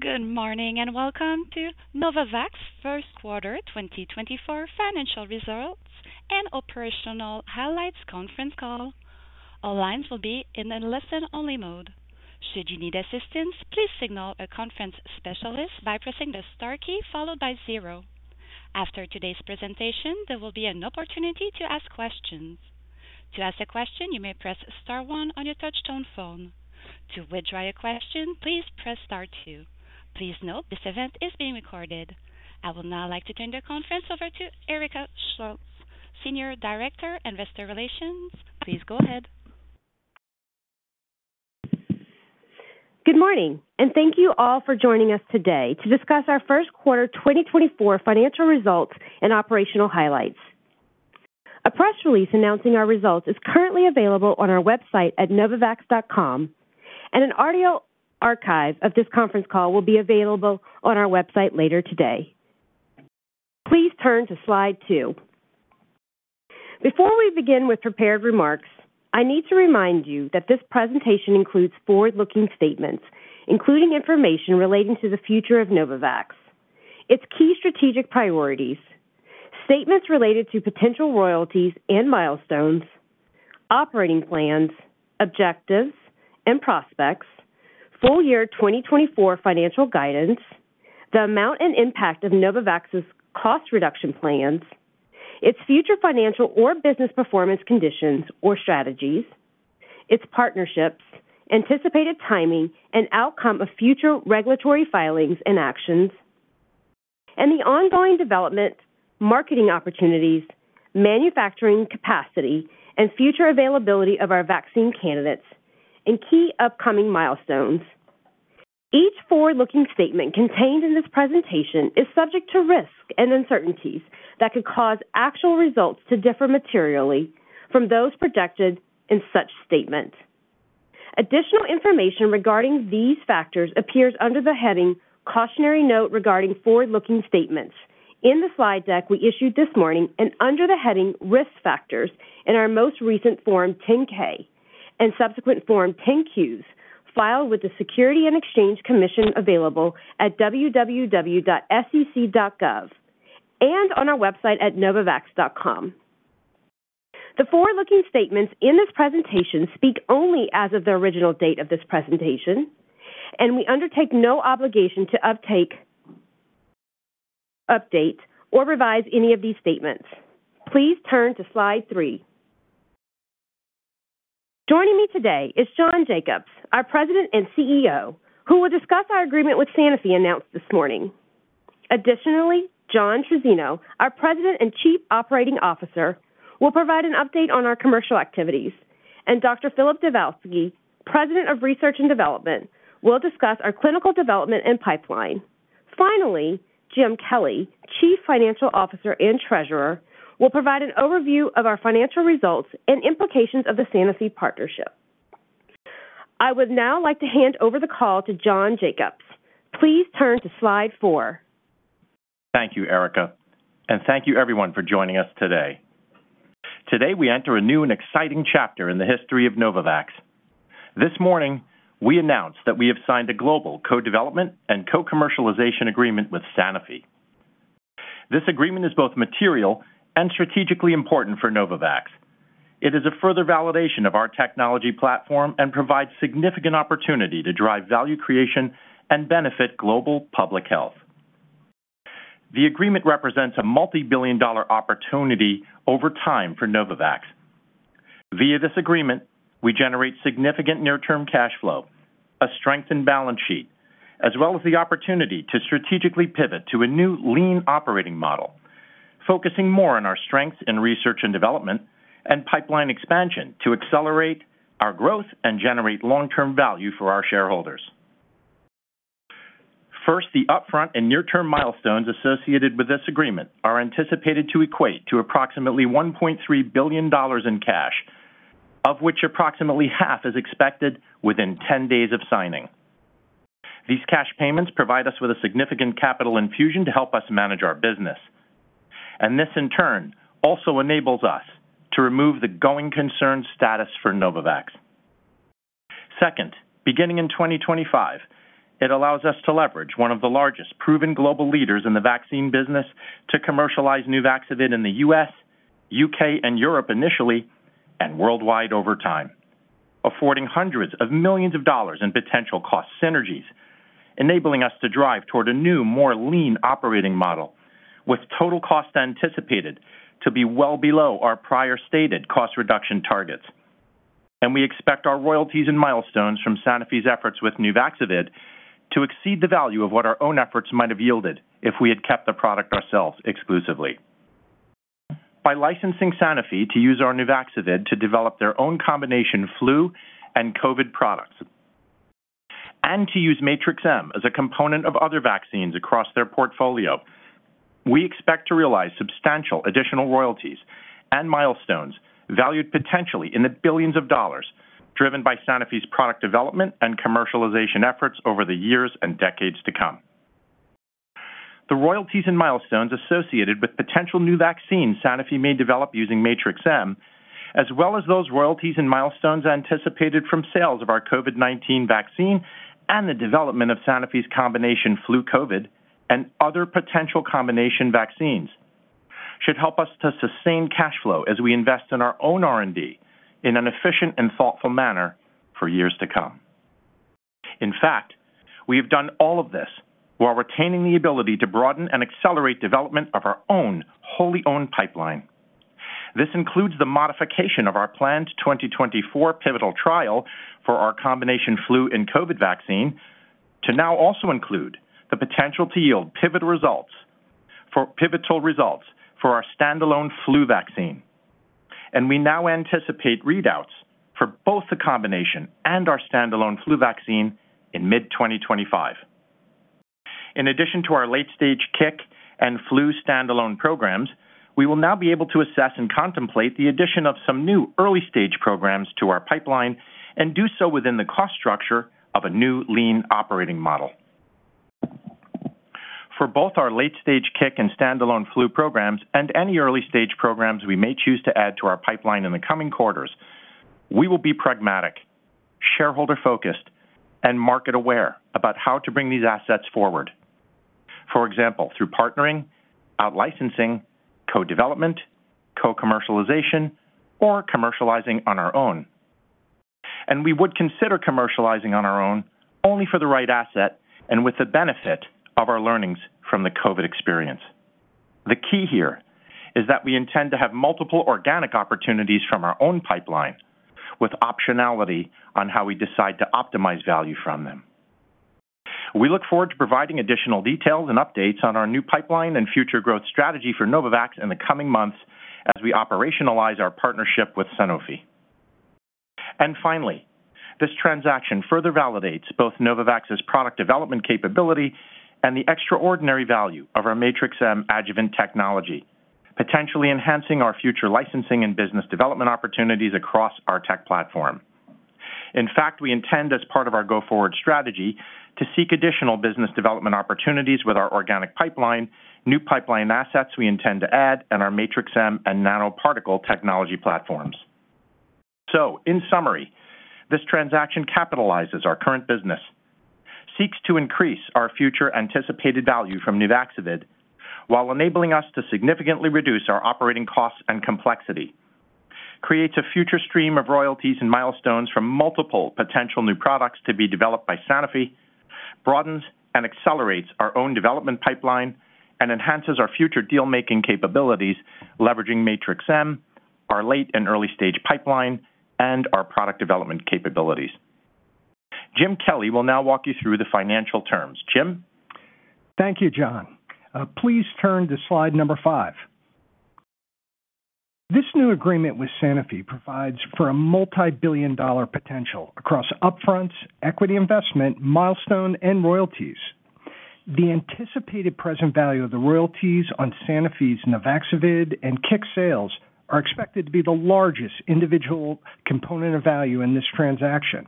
Good morning and welcome to Novavax Q1 2024 financial results and operational highlights conference call. All lines will be in a listen-only mode. Should you need assistance, please signal a conference specialist by pressing the star key followed by 0. After today's presentation, there will be an opportunity to ask questions. To ask a question, you may press star 1 on your touch-tone phone. To withdraw your question, please press star 2. Please note, this event is being recorded. I would now like to turn the conference over to Erika Schultz, Senior Director, Investor Relations. Please go ahead. Good morning, and thank you all for joining us today to discuss our Q1 2024 financial results and operational highlights. A press release announcing our results is currently available on our website at Novavax.com, and an audio archive of this conference call will be available on our website later today. Please turn to slide 2. Before we begin with prepared remarks, I need to remind you that this presentation includes forward-looking statements, including information relating to the future of Novavax, its key strategic priorities, statements related to potential royalties and milestones, operating plans, objectives, and prospects, full year 2024 financial guidance, the amount and impact of Novavax's cost reduction plans, its future financial or business performance conditions or strategies, its partnerships, anticipated timing and outcome of future regulatory filings and actions, and the ongoing development, marketing opportunities, manufacturing capacity, and future availability of our vaccine candidates, and key upcoming milestones. Each forward-looking statement contained in this presentation is subject to risk and uncertainties that could cause actual results to differ materially from those projected in such statements. Additional information regarding these factors appears under the heading "Cautionary Note Regarding Forward-Looking Statements" in the slide deck we issued this morning and under the heading "Risk Factors" in our most recent Form 10-K and subsequent Form 10-Qs filed with the Securities and Exchange Commission available at www.sec.gov and on our website at novavax.com. The forward-looking statements in this presentation speak only as of the original date of this presentation, and we undertake no obligation to update or revise any of these statements. Please turn to slide 3. Joining me today is John Jacobs, our President and CEO, who will discuss our agreement with Sanofi announced this morning. Additionally, John Trizzino, our President and Chief Operating Officer, will provide an update on our commercial activities, and Dr. Filip Dubovsky, President of Research and Development, will discuss our clinical development and pipeline. Finally, Jim Kelly, Chief Financial Officer and Treasurer, will provide an overview of our financial results and implications of the Sanofi partnership. I would now like to hand over the call to John Jacobs. Please turn to slide 4. Thank you, Erika, and thank you everyone for joining us today. Today we enter a new and exciting chapter in the history of Novavax. This morning, we announced that we have signed a global co-development and co-commercialization agreement with Sanofi. This agreement is both material and strategically important for Novavax. It is a further validation of our technology platform and provides significant opportunity to drive value creation and benefit global public health. The agreement represents a multi-billion dollar opportunity over time for Novavax. Via this agreement, we generate significant near-term cash flow, a strengthened balance sheet, as well as the opportunity to strategically pivot to a new lean operating model, focusing more on our strengths in research and development and pipeline expansion to accelerate our growth and generate long-term value for our shareholders. First, the upfront and near-term milestones associated with this agreement are anticipated to equate to approximately $1.3 billion in cash, of which approximately $650 million is expected within 10 days of signing. These cash payments provide us with a significant capital infusion to help us manage our business, and this in turn also enables us to remove the going concern status for Novavax. Second, beginning in 2025, it allows us to leverage one of the largest proven global leaders in the vaccine business to commercialize Nuvaxovid in the U.S., U.K. and Europe initially, and worldwide over time, affording hundreds of millions of dollars in potential cost synergies, enabling us to drive toward a new, more lean operating model with total costs anticipated to be well below our prior stated cost reduction targets. We expect our royalties and milestones from Sanofi's efforts with Nuvaxovid to exceed the value of what our own efforts might have yielded if we had kept the product ourselves exclusively. By licensing Sanofi to use our Nuvaxovid to develop their own combination flu and COVID products, and to use Matrix-M as a component of other vaccines across their portfolio, we expect to realize substantial additional royalties and milestones valued potentially in the $ billions driven by Sanofi's product development and commercialization efforts over the years and decades to come. The royalties and milestones associated with potential new vaccines Sanofi may develop using Matrix-M, as well as those royalties and milestones anticipated from sales of our COVID-19 vaccine and the development of Sanofi's combination flu/COVID and other potential combination vaccines, should help us to sustain cash flow as we invest in our own R&D in an efficient and thoughtful manner for years to come. In fact, we have done all of this while retaining the ability to broaden and accelerate development of our own wholly owned pipeline. This includes the modification of our planned 2024 pivotal trial for our combination flu and COVID vaccine to now also include the potential to yield pivotal results for our standalone flu vaccine, and we now anticipate readouts for both the combination and our standalone flu vaccine in mid-2025. In addition to our late-stage CIC and flu standalone programs, we will now be able to assess and contemplate the addition of some new early-stage programs to our pipeline and do so within the cost structure of a new lean operating model. For both our late-stage CIC and standalone flu programs and any early-stage programs we may choose to add to our pipeline in the coming quarters, we will be pragmatic, shareholder-focused, and market aware about how to bring these assets forward. For example, through partnering, outlicensing, co-development, co-commercialization, or commercializing on our own. We would consider commercializing on our own only for the right asset and with the benefit of our learnings from the COVID experience. The key here is that we intend to have multiple organic opportunities from our own pipeline with optionality on how we decide to optimize value from them. We look forward to providing additional details and updates on our new pipeline and future growth strategy for Novavax in the coming months as we operationalize our partnership with Sanofi. Finally, this transaction further validates both Novavax's product development capability and the extraordinary value of our Matrix-M adjuvant technology, potentially enhancing our future licensing and business development opportunities across our tech platform. In fact, we intend, as part of our go-forward strategy, to seek additional business development opportunities with our organic pipeline, new pipeline assets we intend to add, and our Matrix-M and nanoparticle technology platforms. In summary, this transaction capitalizes our current business, seeks to increase our future anticipated value from Nuvaxovid while enabling us to significantly reduce our operating costs and complexity, creates a future stream of royalties and milestones from multiple potential new products to be developed by Sanofi, broadens and accelerates our own development pipeline, and enhances our future dealmaking capabilities leveraging Matrix-M, our late and early-stage pipeline, and our product development capabilities. Jim Kelly will now walk you through the financial terms. Jim? Thank you, John. Please turn to slide 5. This new agreement with Sanofi provides for a multi-billion dollar potential across upfronts, equity investment, milestones, and royalties. The anticipated present value of the royalties on Sanofi's Nuvaxovid and CIC sales are expected to be the largest individual component of value in this transaction.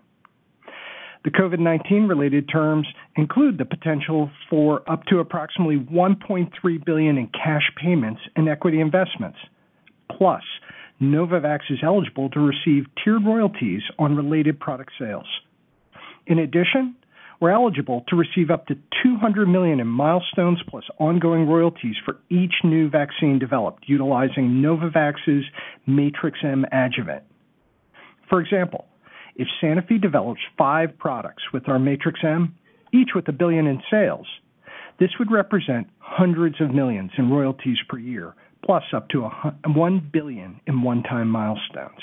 The COVID-19-related terms include the potential for up to approximately $1.3 billion in cash payments and equity investments, plus Novavax is eligible to receive tiered royalties on related product sales. In addition, we're eligible to receive up to $200 million in milestones plus ongoing royalties for each new vaccine developed utilizing Novavax's Matrix-M adjuvant. For example, if Sanofi develops five products with our Matrix-M, each with $1 billion in sales, this would represent hundreds of millions in royalties per year plus up to $1 billion in one-time milestones.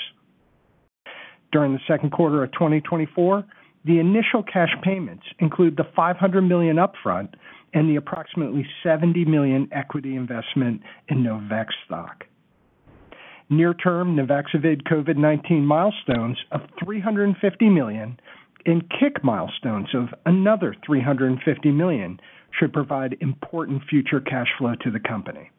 During the Q2 of 2024, the initial cash payments include the $500 million upfront and the approximately $70 million equity investment in Novavax stock. Near-term Nuvaxovid COVID-19 milestones of $350 million and CIC milestones of another $350 million should provide important future cash flow to the company.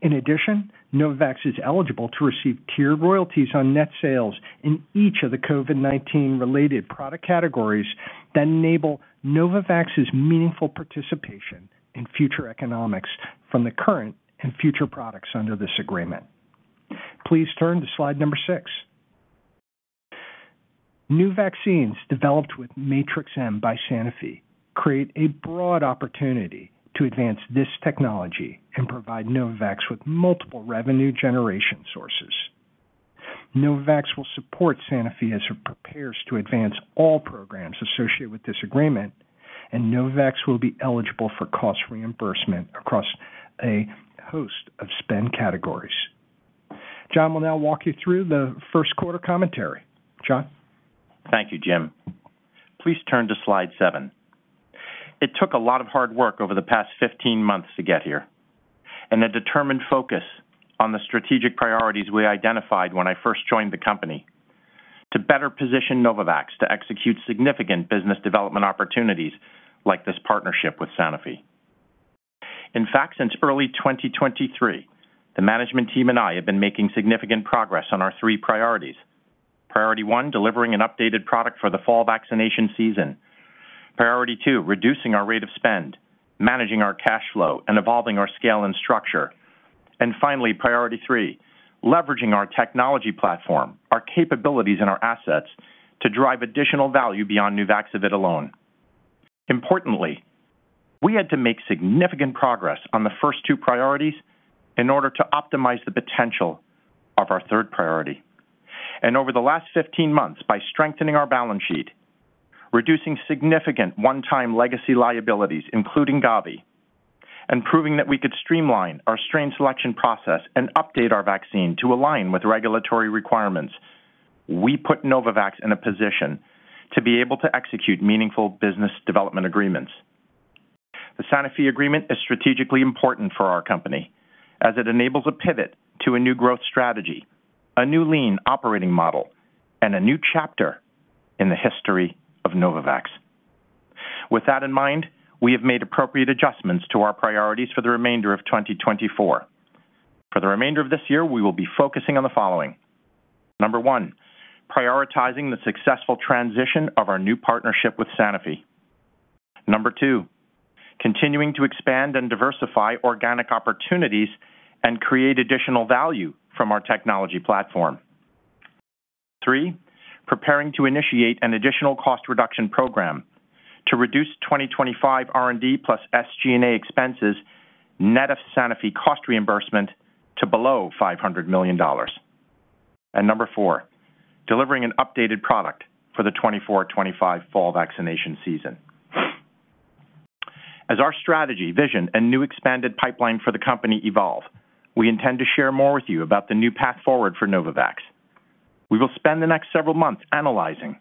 In addition, Novavax is eligible to receive tiered royalties on net sales in each of the COVID-19-related product categories that enable Novavax's meaningful participation in future economics from the current and future products under this agreement. Please turn to slide number six. New vaccines developed with Matrix-M by Sanofi create a broad opportunity to advance this technology and provide Novavax with multiple revenue generation sources. Novavax will support Sanofi as it prepares to advance all programs associated with this agreement, and Novavax will be eligible for cost reimbursement across a host of spend categories. John will now walk you through the Q1 commentary. John? Thank you, Jim. Please turn to slide 7. It took a lot of hard work over the past 15 months to get here and a determined focus on the strategic priorities we identified when I first joined the company to better position Novavax to execute significant business development opportunities like this partnership with Sanofi. In fact, since early 2023, the management team and I have been making significant progress on our three priorities: priority one, delivering an updated product for the fall vaccination season, priority two, reducing our rate of spend, managing our cash flow, and evolving our scale and structure, and finally, priority three, leveraging our technology platform, our capabilities, and our assets to drive additional value beyond Nuvaxovid alone. Importantly, we had to make significant progress on the first two priorities in order to optimize the potential of our third priority. Over the last 15 months, by strengthening our balance sheet, reducing significant one-time legacy liabilities including Gavi, and proving that we could streamline our strain selection process and update our vaccine to align with regulatory requirements, we put Novavax in a position to be able to execute meaningful business development agreements. The Sanofi agreement is strategically important for our company as it enables a pivot to a new growth strategy, a new lean operating model, and a new chapter in the history of Novavax. With that in mind, we have made appropriate adjustments to our priorities for the remainder of 2024. For the remainder of this year, we will be focusing on the following: number one, prioritizing the successful transition of our new partnership with Sanofi, number two, continuing to expand and diversify organic opportunities and create additional value from our technology platform, number three, preparing to initiate an additional cost reduction program to reduce 2025 R&D plus SG&A expenses net of Sanofi cost reimbursement to below $500 million, and number four, delivering an updated product for the 2024/25 fall vaccination season. As our strategy, vision, and new expanded pipeline for the company evolve, we intend to share more with you about the new path forward for Novavax. We will spend the next several months analyzing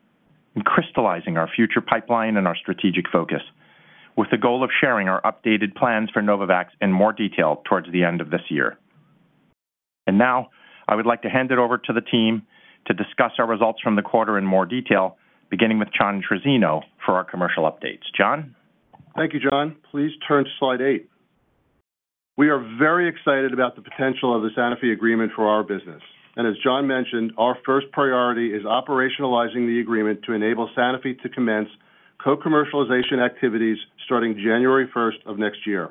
and crystallizing our future pipeline and our strategic focus with the goal of sharing our updated plans for Novavax in more detail towards the end of this year. And now, I would like to hand it over to the team to discuss our results from the quarter in more detail, beginning with John Trizzino for our commercial updates. John? Thank you, John. Please turn to slide 8. We are very excited about the potential of the Sanofi agreement for our business. As John mentioned, our first priority is operationalizing the agreement to enable Sanofi to commence co-commercialization activities starting January 1st of next year.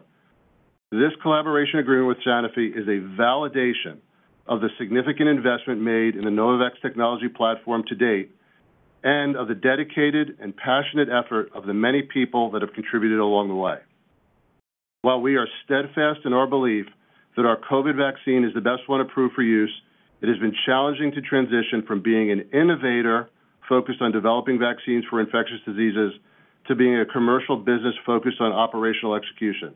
This collaboration agreement with Sanofi is a validation of the significant investment made in the Novavax technology platform to date and of the dedicated and passionate effort of the many people that have contributed along the way. While we are steadfast in our belief that our COVID vaccine is the best one approved for use, it has been challenging to transition from being an innovator focused on developing vaccines for infectious diseases to being a commercial business focused on operational execution.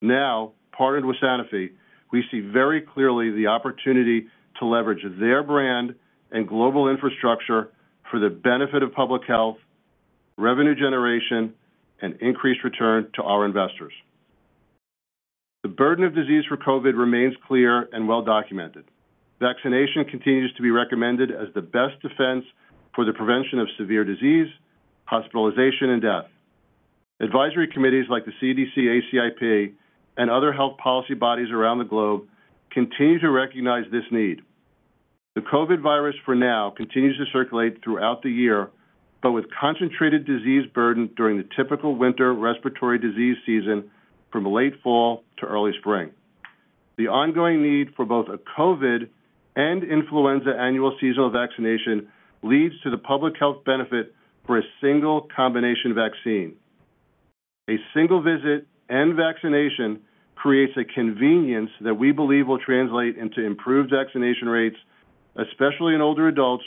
Now, partnered with Sanofi, we see very clearly the opportunity to leverage their brand and global infrastructure for the benefit of public health, revenue generation, and increased return to our investors. The burden of disease for COVID remains clear and well-documented. Vaccination continues to be recommended as the best defense for the prevention of severe disease, hospitalization, and death. Advisory committees like the CDC, ACIP, and other health policy bodies around the globe continue to recognize this need. The COVID virus, for now, continues to circulate throughout the year but with concentrated disease burden during the typical winter respiratory disease season from late fall to early spring. The ongoing need for both a COVID and influenza annual seasonal vaccination leads to the public health benefit for a single combination vaccine. A single visit and vaccination creates a convenience that we believe will translate into improved vaccination rates, especially in older adults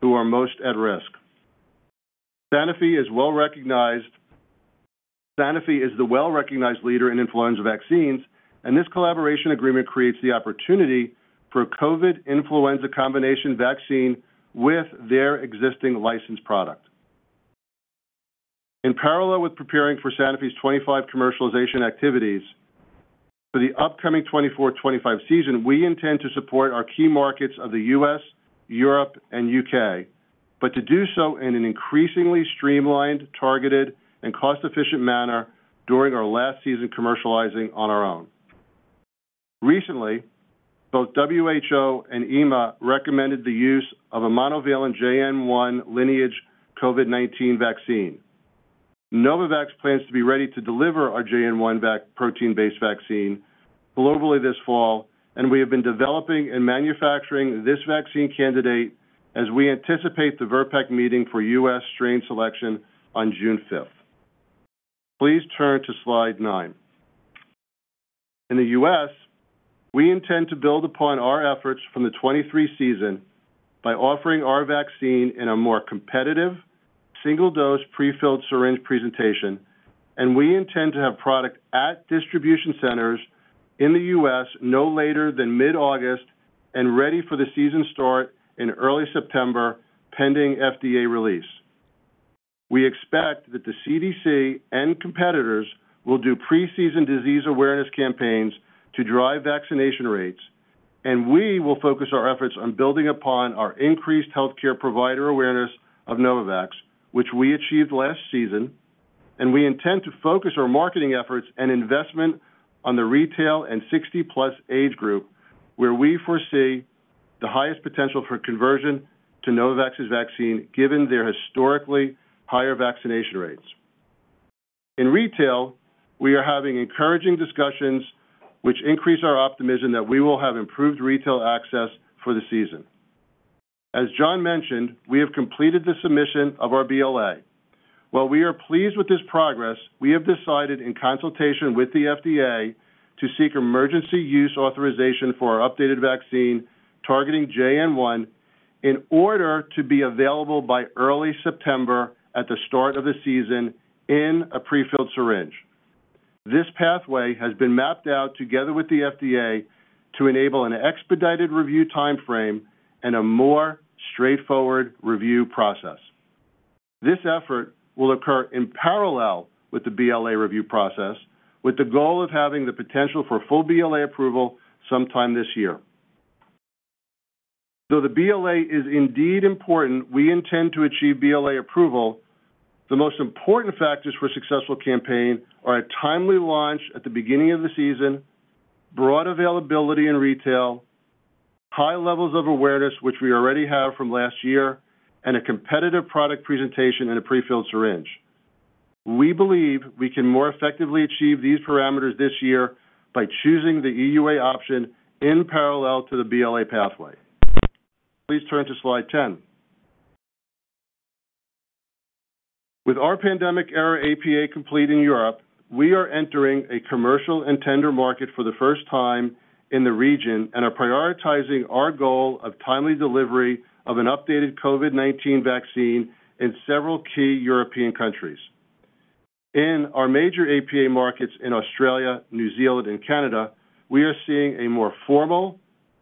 who are most at risk. Sanofi is the well-recognized leader in influenza vaccines, and this collaboration agreement creates the opportunity for a COVID influenza combination vaccine with their existing licensed product. In parallel with preparing for Sanofi's 2025 commercialization activities for the upcoming 2024/2025 season, we intend to support our key markets of the U.S., Europe, and U.K. but to do so in an increasingly streamlined, targeted, and cost-efficient manner during our last season commercializing on our own. Recently, both WHO and EMA recommended the use of a monovalent JN.1 lineage COVID-19 vaccine. Novavax plans to be ready to deliver our JN.1 protein-based vaccine globally this fall, and we have been developing and manufacturing this vaccine candidate as we anticipate the VRBPAC meeting for U.S. strain selection on June 5th. Please turn to slide nine. In the U.S., we intend to build upon our efforts from the 2023 season by offering our vaccine in a more competitive single-dose prefilled syringe presentation, and we intend to have product at distribution centers in the U.S. no later than mid-August and ready for the season start in early September pending FDA release. We expect that the CDC and competitors will do preseason disease awareness campaigns to drive vaccination rates, and we will focus our efforts on building upon our increased healthcare provider awareness of Novavax, which we achieved last season. We intend to focus our marketing efforts and investment on the retail and 60+ age group where we foresee the highest potential for conversion to Novavax's vaccine given their historically higher vaccination rates. In retail, we are having encouraging discussions which increase our optimism that we will have improved retail access for the season. As John mentioned, we have completed the submission of our BLA. While we are pleased with this progress, we have decided in consultation with the FDA to seek emergency use authorization for our updated vaccine targeting JN.1 in order to be available by early September at the start of the season in a prefilled syringe. This pathway has been mapped out together with the FDA to enable an expedited review time frame and a more straightforward review process. This effort will occur in parallel with the BLA review process with the goal of having the potential for full BLA approval sometime this year. Though the BLA is indeed important, we intend to achieve BLA approval. The most important factors for a successful campaign are a timely launch at the beginning of the season, broad availability in retail, high levels of awareness which we already have from last year, and a competitive product presentation in a prefilled syringe. We believe we can more effectively achieve these parameters this year by choosing the EUA option in parallel to the BLA pathway. Please turn to slide 10. With our pandemic era APA complete in Europe, we are entering a commercial and tender market for the first time in the region and are prioritizing our goal of timely delivery of an updated COVID-19 vaccine in several key European countries. In our major APA markets in Australia, New Zealand, and Canada, we are seeing a more formal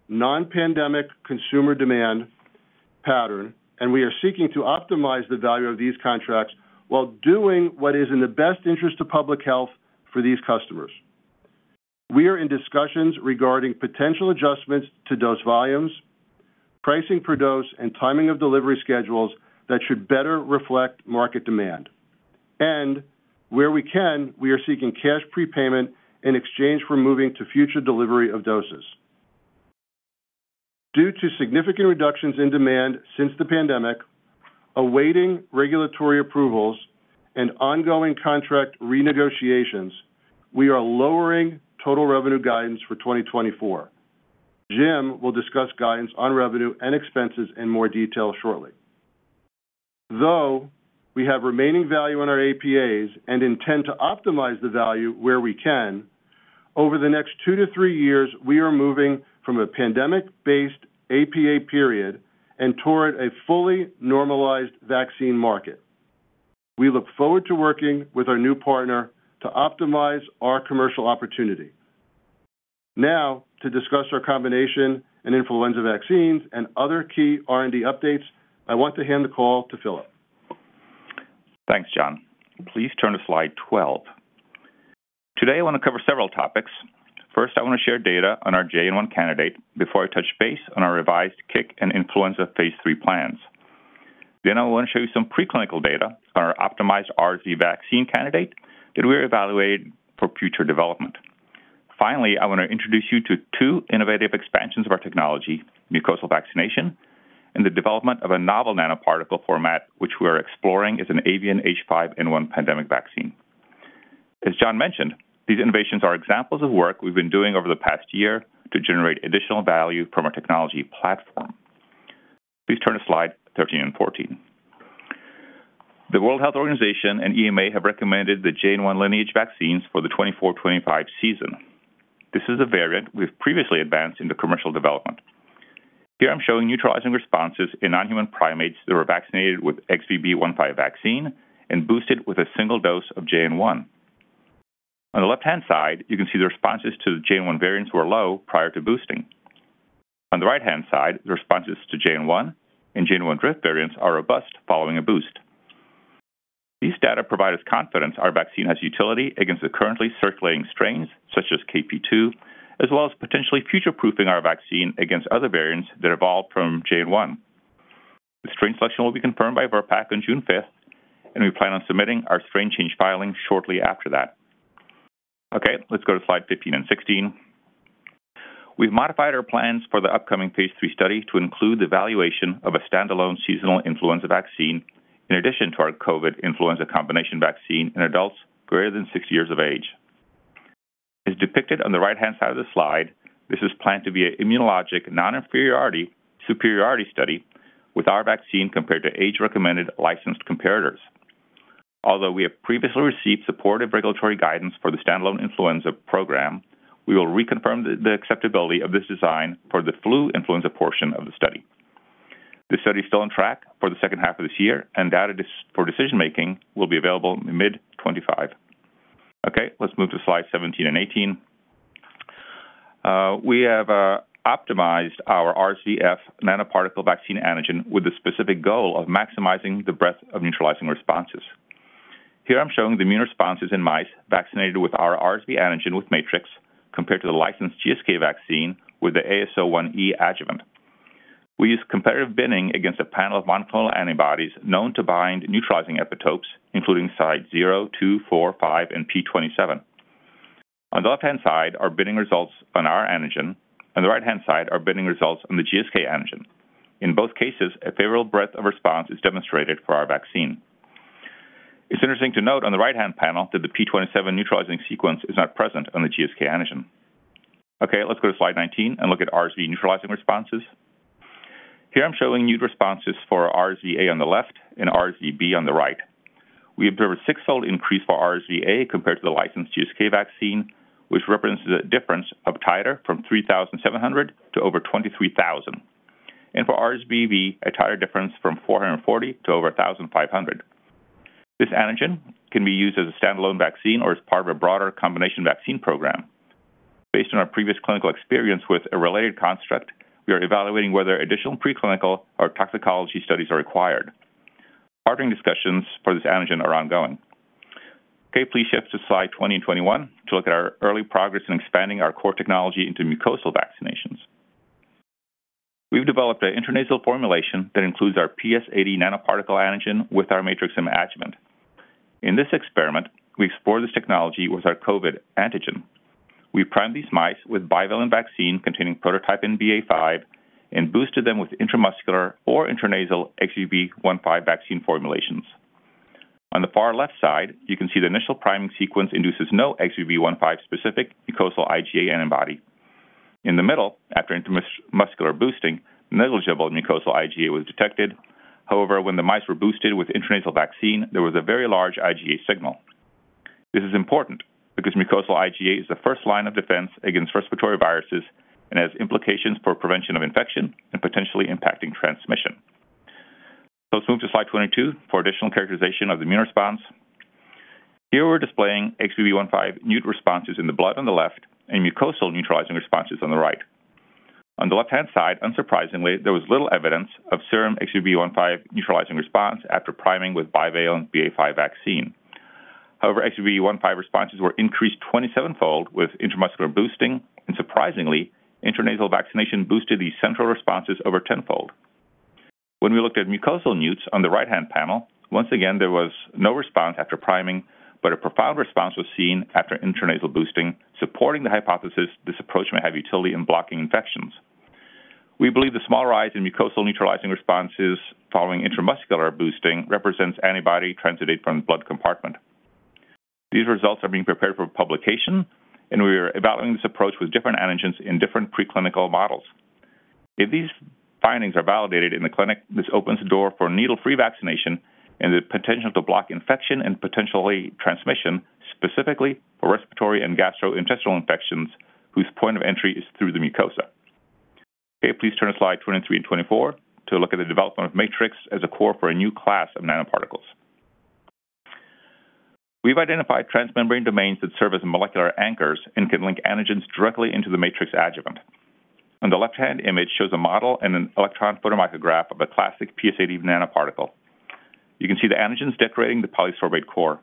non-pandemic consumer demand pattern, and we are seeking to optimize the value of these contracts while doing what is in the best interest of public health for these customers. We are in discussions regarding potential adjustments to dose volumes, pricing per dose, and timing of delivery schedules that should better reflect market demand. Where we can, we are seeking cash prepayment in exchange for moving to future delivery of doses. Due to significant reductions in demand since the pandemic, awaiting regulatory approvals, and ongoing contract renegotiations, we are lowering total revenue guidance for 2024. Jim will discuss guidance on revenue and expenses in more detail shortly. Though we have remaining value in our APAs and intend to optimize the value where we can, over the next 2-3 years, we are moving from a pandemic-based APA period and toward a fully normalized vaccine market. We look forward to working with our new partner to optimize our commercial opportunity. Now, to discuss our combination and influenza vaccines and other key R&D updates, I want to hand the call to Filip. Thanks, John. Please turn to slide 12. Today, I want to cover several topics. First, I want to share data on our JN.1 candidate before I touch base on our revised CIC and influenza phase three plans. Then, I want to show you some preclinical data on our optimized RSV vaccine candidate that we evaluated for future development. Finally, I want to introduce you to two innovative expansions of our technology, mucosal vaccination, and the development of a novel nanoparticle format which we are exploring as an avian H5N1 pandemic vaccine. As John mentioned, these innovations are examples of work we've been doing over the past year to generate additional value from our technology platform. Please turn to slide 13 and 14. The World Health Organization and EMA have recommended the JN.1 lineage vaccines for the 2024/2025 season. This is a variant we've previously advanced into commercial development. Here, I'm showing neutralizing responses in non-human primates that were vaccinated with XBB.1.5 vaccine and boosted with a single dose of JN.1. On the left-hand side, you can see the responses to the JN.1 variants were low prior to boosting. On the right-hand side, the responses to JN.1 and JN.1 drift variants are robust following a boost. These data provide us confidence our vaccine has utility against the currently circulating strains such as KP.2, as well as potentially future-proofing our vaccine against other variants that evolve from JN.1. The strain selection will be confirmed by VRBPAC on June 5th, and we plan on submitting our strain change filing shortly after that. Okay, let's go to slide 15 and 16. We've modified our plans for the upcoming phase 3 study to include the evaluation of a standalone seasonal influenza vaccine in addition to our COVID influenza combination vaccine in adults greater than 60 years of age. As depicted on the right-hand side of the slide, this is planned to be an immunologic non-inferiority/superiority study with our vaccine compared to age-recommended licensed comparators. Although we have previously received supportive regulatory guidance for the standalone influenza program, we will reconfirm the acceptability of this design for the flu influenza portion of the study. This study is still on track for the second half of this year, and data for decision-making will be available mid-2025. Okay, let's move to slides 17 and 18. We have optimized our RSV F nanoparticle vaccine antigen with the specific goal of maximizing the breadth of neutralizing responses. Here, I'm showing the immune responses in mice vaccinated with our RSV antigen with Matrix-M compared to the licensed GSK vaccine with the AS01E adjuvant. We used competitive binding against a panel of monoclonal antibodies known to bind neutralizing epitopes, including sites 0, 2, 4, 5, and p27. On the left-hand side are binding results on our antigen, and the right-hand side are binding results on the GSK antigen. In both cases, a favorable breadth of response is demonstrated for our vaccine. It's interesting to note on the right-hand panel that the p27 neutralizing sequence is not present on the GSK antigen. Okay, let's go to slide 19 and look at RSV neutralizing responses. Here, I'm showing new responses for RSV A on the left and RSV B on the right. We observed a six-fold increase for RSV A compared to the licensed GSK vaccine, which represents a difference of titer from 3,700 to over 23,000. For RSV B, a titer difference from 440 to over 1,500. This antigen can be used as a standalone vaccine or as part of a broader combination vaccine program. Based on our previous clinical experience with a related construct, we are evaluating whether additional preclinical or toxicology studies are required. Partnering discussions for this antigen are ongoing. Okay, please shift to slide 20 and 21 to look at our early progress in expanding our core technology into mucosal vaccinations. We've developed an intranasal formulation that includes our PS80 nanoparticle antigen with our Matrix-M adjuvant. In this experiment, we explored this technology with our COVID antigen. We primed these mice with bivalent vaccine containing prototype BA.5 and boosted them with intramuscular or intranasal XBB.1.5 vaccine formulations. On the far left side, you can see the initial priming sequence induces no XBB.1.5-specific mucosal IgA antibody. In the middle, after intramuscular boosting, negligible mucosal IgA was detected. However, when the mice were boosted with intranasal vaccine, there was a very large IgA signal. This is important because mucosal IgA is the first line of defense against respiratory viruses and has implications for prevention of infection and potentially impacting transmission. Let's move to slide 22 for additional characterization of the immune response. Here, we're displaying XBB.1.5 mute responses in the blood on the left and mucosal neutralizing responses on the right. On the left-hand side, unsurprisingly, there was little evidence of serum XBB.1.5 neutralizing response after priming with bivalent BA.5 vaccine. However, XBB.1.5 responses were increased 27-fold with intramuscular boosting, and surprisingly, intranasal vaccination boosted the central responses over 10-fold. When we looked at mucosal IgA on the right-hand panel, once again, there was no response after priming, but a profound response was seen after intranasal boosting, supporting the hypothesis this approach may have utility in blocking infections. We believe the small rise in mucosal neutralizing responses following intramuscular boosting represents antibody transiting from the blood compartment. These results are being prepared for publication, and we are evaluating this approach with different antigens in different preclinical models. If these findings are validated in the clinic, this opens the door for needle-free vaccination and the potential to block infection and potentially transmission specifically for respiratory and gastrointestinal infections whose point of entry is through the mucosa. Okay, please turn to slides 23 and 24 to look at the development of Matrix-M as a core for a new class of nanoparticles. We've identified transmembrane domains that serve as molecular anchors and can link antigens directly into the matrix adjuvant. On the left-hand image shows a model and an electron photomicrograph of a classic PS80 nanoparticle. You can see the antigens decorating the polysorbate core.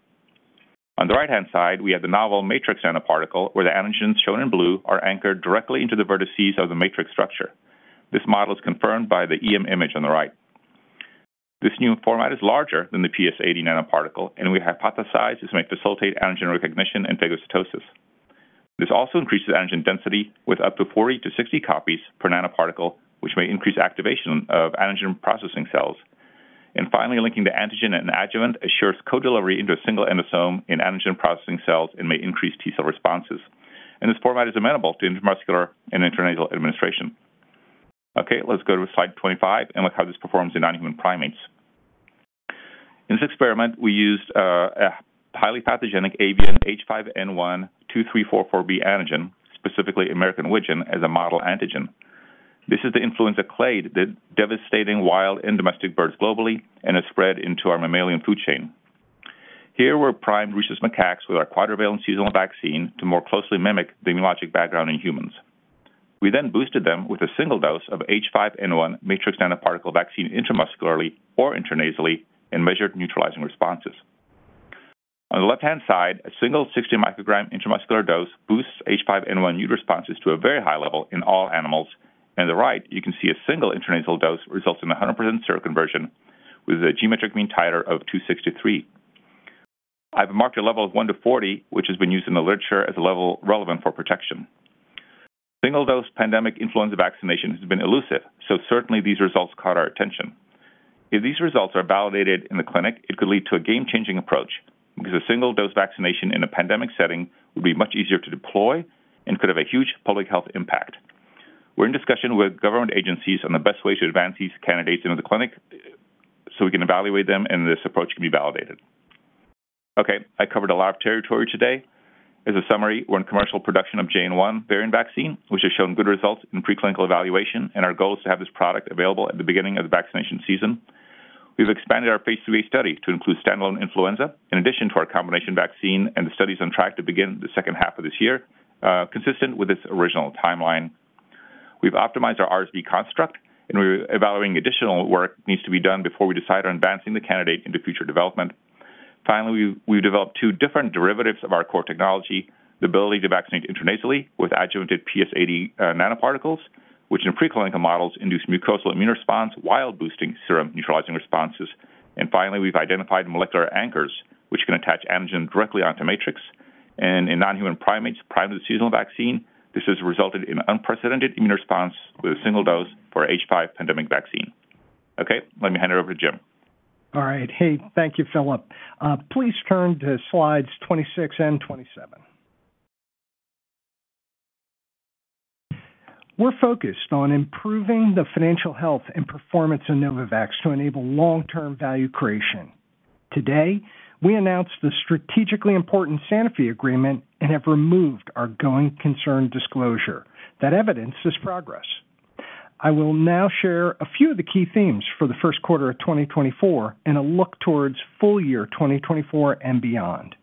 On the right-hand side, we have the novel matrix nanoparticle where the antigens shown in blue are anchored directly into the vertices of the matrix structure. This model is confirmed by the EM image on the right. This new format is larger than the PS80 nanoparticle, and we hypothesize this may facilitate antigen recognition and phagocytosis. This also increases antigen density with up to 40-60 copies per nanoparticle, which may increase activation of antigen processing cells. And finally, linking the antigen and adjuvant assures co-delivery into a single endosome in antigen processing cells and may increase T-cell responses. And this format is amenable to intramuscular and intranasal administration. Okay, let's go to slide 25 and look how this performs in non-human primates. In this experiment, we used a highly pathogenic avian H5N1 2.3.4.4b antigen, specifically American Wigeon, as a model antigen. This is the influenza clade that devastates wild and domestic birds globally and has spread into our mammalian food chain. Here, we primed Rhesus macaques with our quadrivalent seasonal vaccine to more closely mimic the immunologic background in humans. We then boosted them with a single dose of H5N1 matrix nanoparticle vaccine intramuscularly or intranasally and measured neutralizing responses. On the left-hand side, a single 60-microgram intramuscular dose boosts H5N1 neutralizing responses to a very high level in all animals. And on the right, you can see a single intranasal dose results in 100% seroconversion with a geometric mean titer of 263. I've marked a level of 1:40, which has been used in the literature as a level relevant for protection. Single-dose pandemic influenza vaccination has been elusive, so certainly these results caught our attention. If these results are validated in the clinic, it could lead to a game-changing approach because a single-dose vaccination in a pandemic setting would be much easier to deploy and could have a huge public health impact. We're in discussion with government agencies on the best way to advance these candidates into the clinic so we can evaluate them and this approach can be validated. Okay, I covered a lot of territory today. As a summary, we're in commercial production of JN.1 variant vaccine, which has shown good results in preclinical evaluation, and our goal is to have this product available at the beginning of the vaccination season. We've expanded our phase 3 study to include standalone influenza in addition to our combination vaccine and the studies on track to begin the second half of this year, consistent with its original timeline. We've optimized our RSV construct, and we're evaluating additional work that needs to be done before we decide on advancing the candidate into future development. Finally, we've developed two different derivatives of our core technology, the ability to vaccinate intranasally with adjuvanted PS80 nanoparticles, which in preclinical models induce mucosal immune response while boosting serum neutralizing responses. And finally, we've identified molecular anchors, which can attach antigen directly onto matrix. And in non-human primates primed with the seasonal vaccine, this has resulted in an unprecedented immune response with a single dose for H5 pandemic vaccine. Okay, let me hand it over to Jim. All right. Hey, thank you, Filip. Please turn to slides 26 and 27. We're focused on improving the financial health and performance of Novavax to enable long-term value creation. Today, we announced the strategically important Sanofi agreement and have removed our going concern disclosure. That evidence is progress. I will now share a few of the key themes for the Q1 of 2024 and a look towards full year 2024 and beyond.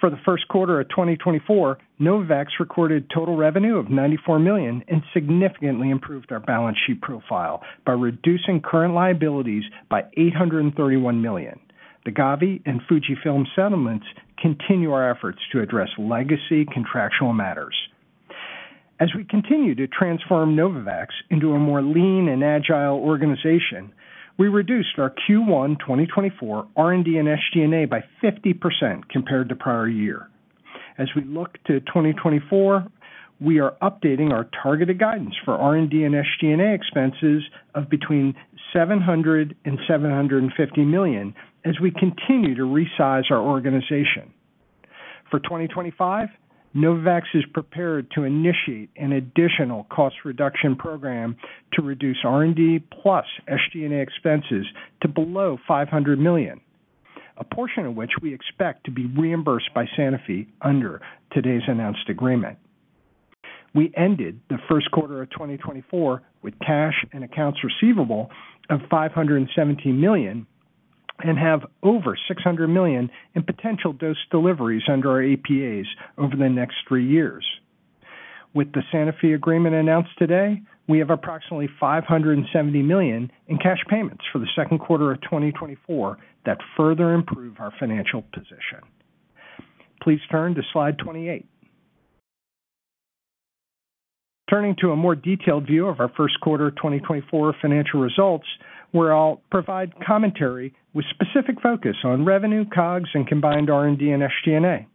For the Q1 of 2024, Novavax recorded total revenue of $94 million and significantly improved our balance sheet profile by reducing current liabilities by $831 million. The Gavi and Fujifilm settlements continue our efforts to address legacy contractual matters. As we continue to transform Novavax into a more lean and agile organization, we reduced our Q1 2024 R&D and SG&A by 50% compared to prior year. As we look to 2024, we are updating our targeted guidance for R&D and SG&A expenses of between $700 million and $750 million as we continue to resize our organization. For 2025, Novavax is prepared to initiate an additional cost reduction program to reduce R&D plus SG&A expenses to below $500 million, a portion of which we expect to be reimbursed by Sanofi under today's announced agreement. We ended the Q1 of 2024 with cash and accounts receivable of $517 million and have over $600 million in potential dose deliveries under our APAs over the next three years. With the Sanofi agreement announced today, we have approximately $570 million in cash payments for the Q2 of 2024 that further improve our financial position. Please turn to slide 28. Turning to a more detailed view of our Q1 2024 financial results, where I'll provide commentary with specific focus on revenue, COGS, and combined R&D and SG&A.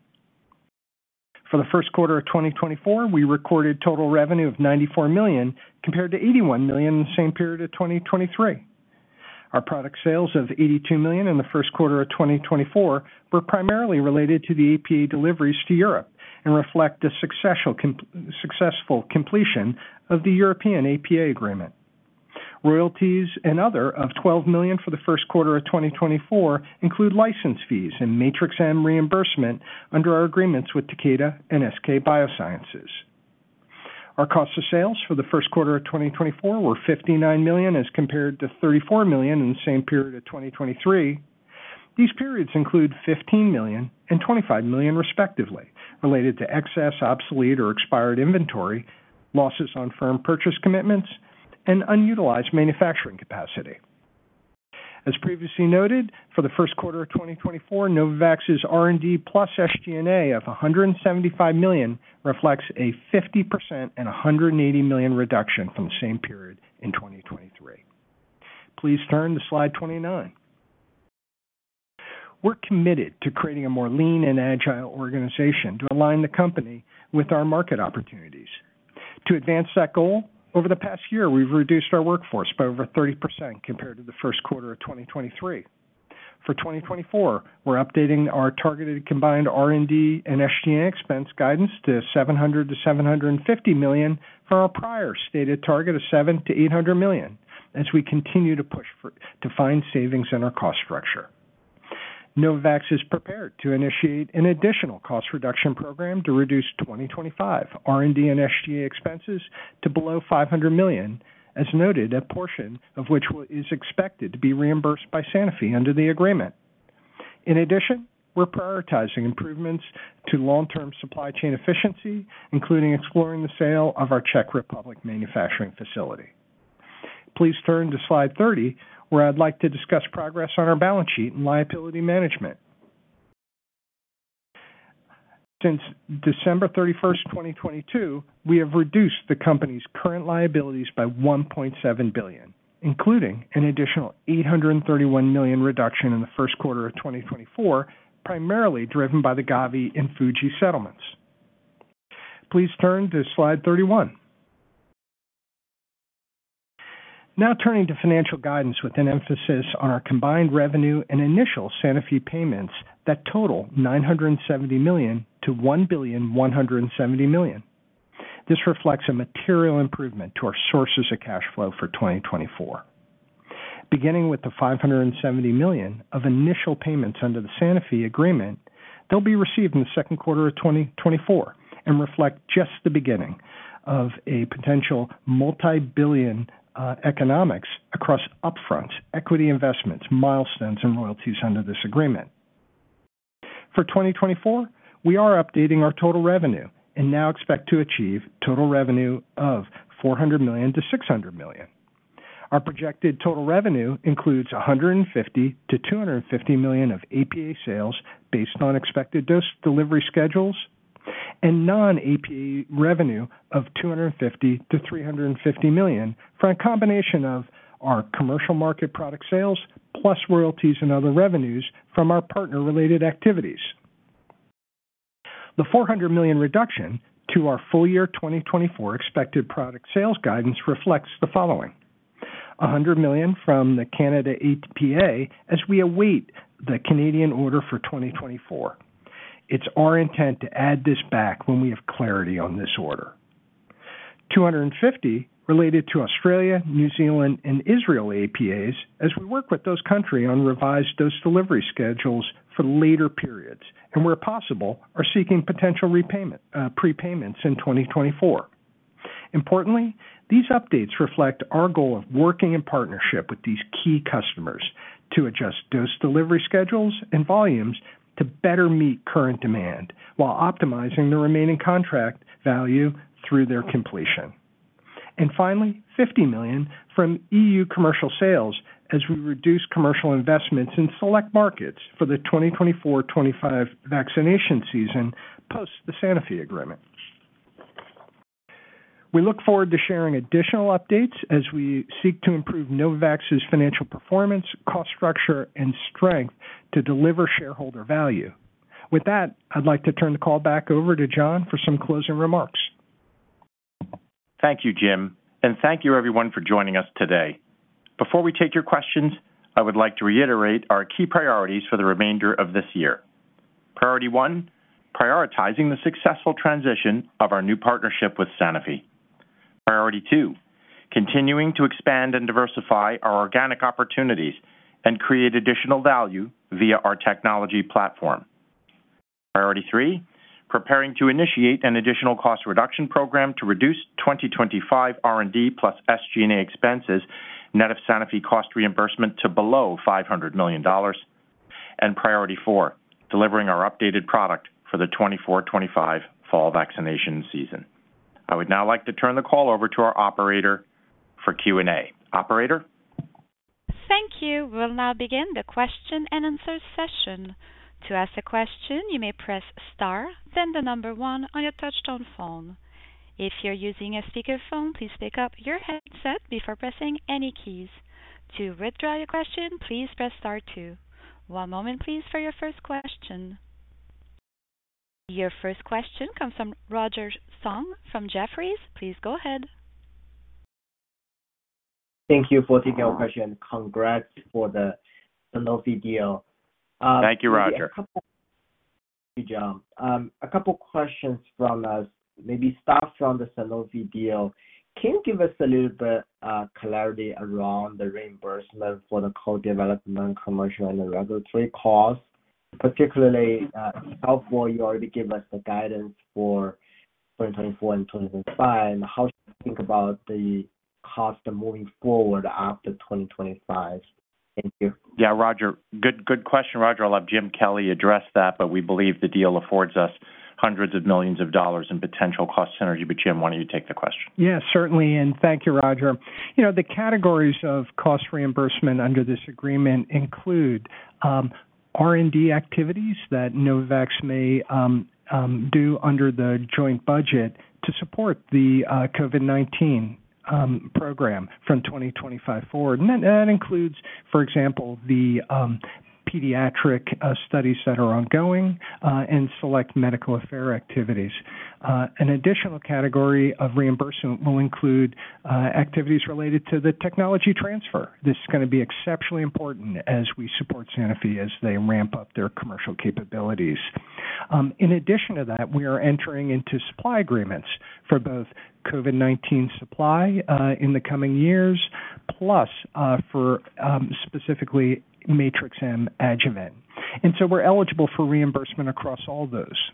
For the Q1 of 2024, we recorded total revenue of $94 million compared to $81 million in the same period of 2023. Our product sales of $82 million in the Q1 of 2024 were primarily related to the APA deliveries to Europe and reflect a successful completion of the European APA agreement. Royalties and other of $12 million for the Q1 of 2024 include license fees and Matrix-M reimbursement under our agreements with Takeda and SK bioscience. Our cost of sales for the Q1 of 2024 were $59 million as compared to $34 million in the same period of 2023. These periods include $15 million and $25 million respectively, related to excess, obsolete, or expired inventory, losses on firm purchase commitments, and unutilized manufacturing capacity. As previously noted, for the Q1 of 2024, Novavax's R&D plus SG&A of $175 million reflects a 50% and $180 million reduction from the same period in 2023. Please turn to slide 29. We're committed to creating a more lean and agile organization to align the company with our market opportunities. To advance that goal, over the past year, we've reduced our workforce by over 30% compared to the Q1 of 2023. For 2024, we're updating our targeted combined R&D and SG&A expense guidance to $700 million-$750 million from our prior stated target of $700 million-$800 million as we continue to push to find savings in our cost structure. Novavax is prepared to initiate an additional cost reduction program to reduce 2025 R&D and SG&A expenses to below $500 million, as noted, a portion of which is expected to be reimbursed by Sanofi under the agreement. In addition, we're prioritizing improvements to long-term supply chain efficiency, including exploring the sale of our Czech Republic manufacturing facility. Please turn to slide 30, where I'd like to discuss progress on our balance sheet and liability management. Since December 31st, 2022, we have reduced the company's current liabilities by $1.7 billion, including an additional $831 million reduction in the Q1 of 2024, primarily driven by the Gavi and Fujifilm settlements. Please turn to slide 31. Now turning to financial guidance with an emphasis on our combined revenue and initial Sanofi payments that total $970 million-$1.17 billion. This reflects a material improvement to our sources of cash flow for 2024. Beginning with the $570 million of initial payments under the Sanofi agreement, they'll be received in the Q2 of 2024 and reflect just the beginning of a potential multi-billion economics across upfronts, equity investments, milestones, and royalties under this agreement. For 2024, we are updating our total revenue and now expect to achieve total revenue of $400 million-$600 million. Our projected total revenue includes $150 million-$250 million of APA sales based on expected dose delivery schedules and non-APA revenue of $250 million-$350 million for a combination of our commercial market product sales plus royalties and other revenues from our partner-related activities. The $400 million reduction to our full year 2024 expected product sales guidance reflects the following: $100 million from the Canada APA as we await the Canadian order for 2024. It's our intent to add this back when we have clarity on this order. $250 million related to Australia, New Zealand, and Israel APAs as we work with those countries on revised dose delivery schedules for later periods and, where possible, are seeking potential prepayments in 2024. Importantly, these updates reflect our goal of working in partnership with these key customers to adjust dose delivery schedules and volumes to better meet current demand while optimizing the remaining contract value through their completion. And finally, $50 million from EU commercial sales as we reduce commercial investments in select markets for the 2024-25 vaccination season post the Sanofi agreement. We look forward to sharing additional updates as we seek to improve Novavax's financial performance, cost structure, and strength to deliver shareholder value. With that, I'd like to turn the call back over to John for some closing remarks. Thank you, Jim. Thank you, everyone, for joining us today. Before we take your questions, I would like to reiterate our key priorities for the remainder of this year. Priority one: prioritizing the successful transition of our new partnership with Sanofi. Priority two: continuing to expand and diversify our organic opportunities and create additional value via our technology platform. Priority three: preparing to initiate an additional cost reduction program to reduce 2025 R&D plus SG&A expenses net of Sanofi cost reimbursement to below $500 million. Priority four: delivering our updated product for the 2024-2025 fall vaccination season. I would now like to turn the call over to our operator for Q&A. Operator? Thank you. We will now begin the question and answer session. To ask a question, you may press star, then the number one on your touch-tone phone. If you're using a speakerphone, please pick up your headset before pressing any keys. To withdraw your question, please press star two. One moment, please, for your first question. Your first question comes from Roger Song from Jefferies. Please go ahead. Thank you for taking our question. Congrats for the Sanofi deal. Thank you, Roger. Thank you, John. A couple of questions from us, maybe start from the Sanofi deal. Can you give us a little bit of clarity around the reimbursement for the co-development, commercial, and regulatory costs, particularly how far you already gave us the guidance for 2024 and 2025, and how should we think about the cost moving forward after 2025? Thank you. Yeah, Roger. Good question. Roger, I'll have Jim Kelly address that, but we believe the deal affords us $hundreds of millions in potential cost synergy. But Jim, why don't you take the question? Yeah, certainly. And thank you, Roger. The categories of cost reimbursement under this agreement include R&D activities that Novavax may do under the joint budget to support the COVID-19 program from 2025 forward. And that includes, for example, the pediatric studies that are ongoing and select medical affairs activities. An additional category of reimbursement will include activities related to the technology transfer. This is going to be exceptionally important as we support Sanofi as they ramp up their commercial capabilities. In addition to that, we are entering into supply agreements for both COVID-19 supply in the coming years plus for specifically Matrix-M adjuvant. And so we're eligible for reimbursement across all those.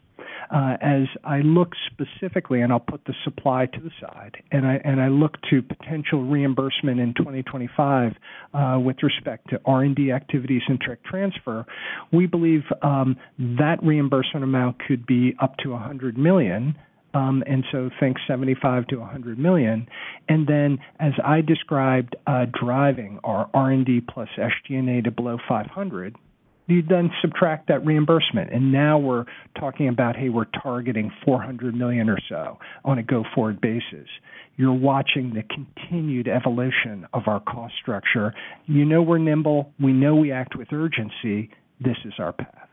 As I look specifically, and I'll put the supply to the side, and I look to potential reimbursement in 2025 with respect to R&D activities and direct transfer, we believe that reimbursement amount could be up to $100 million, and so that's $75 million-$100 million. Then, as I described driving our R&D plus SG&A to below $500 million, you then subtract that reimbursement, and now we're talking about, hey, we're targeting $400 million or so on a go-forward basis. You're watching the continued evolution of our cost structure. You know we're nimble. We know we act with urgency. This is our path.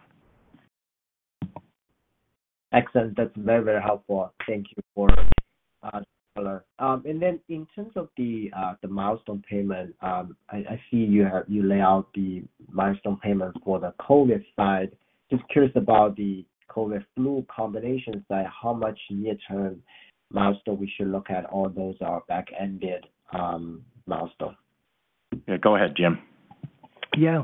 Excellent. That's very, very helpful. Thank you for that color. And then in terms of the milestone payment, I see you lay out the milestone payment for the COVID side. Just curious about the COVID/flu combination side, how much near-term milestone we should look at, or those are back-ended milestones? Yeah, go ahead, Jim. Yeah.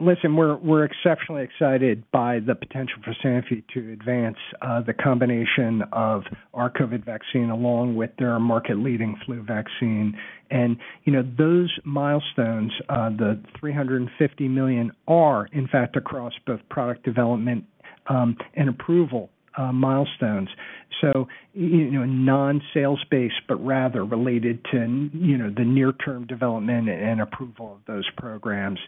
Listen, we're exceptionally excited by the potential for Sanofi to advance the combination of our COVID vaccine along with their market-leading flu vaccine. Those milestones, the $350 million, are, in fact, across both product development and approval milestones. Non-sales-based, but rather related to the near-term development and approval of those programs.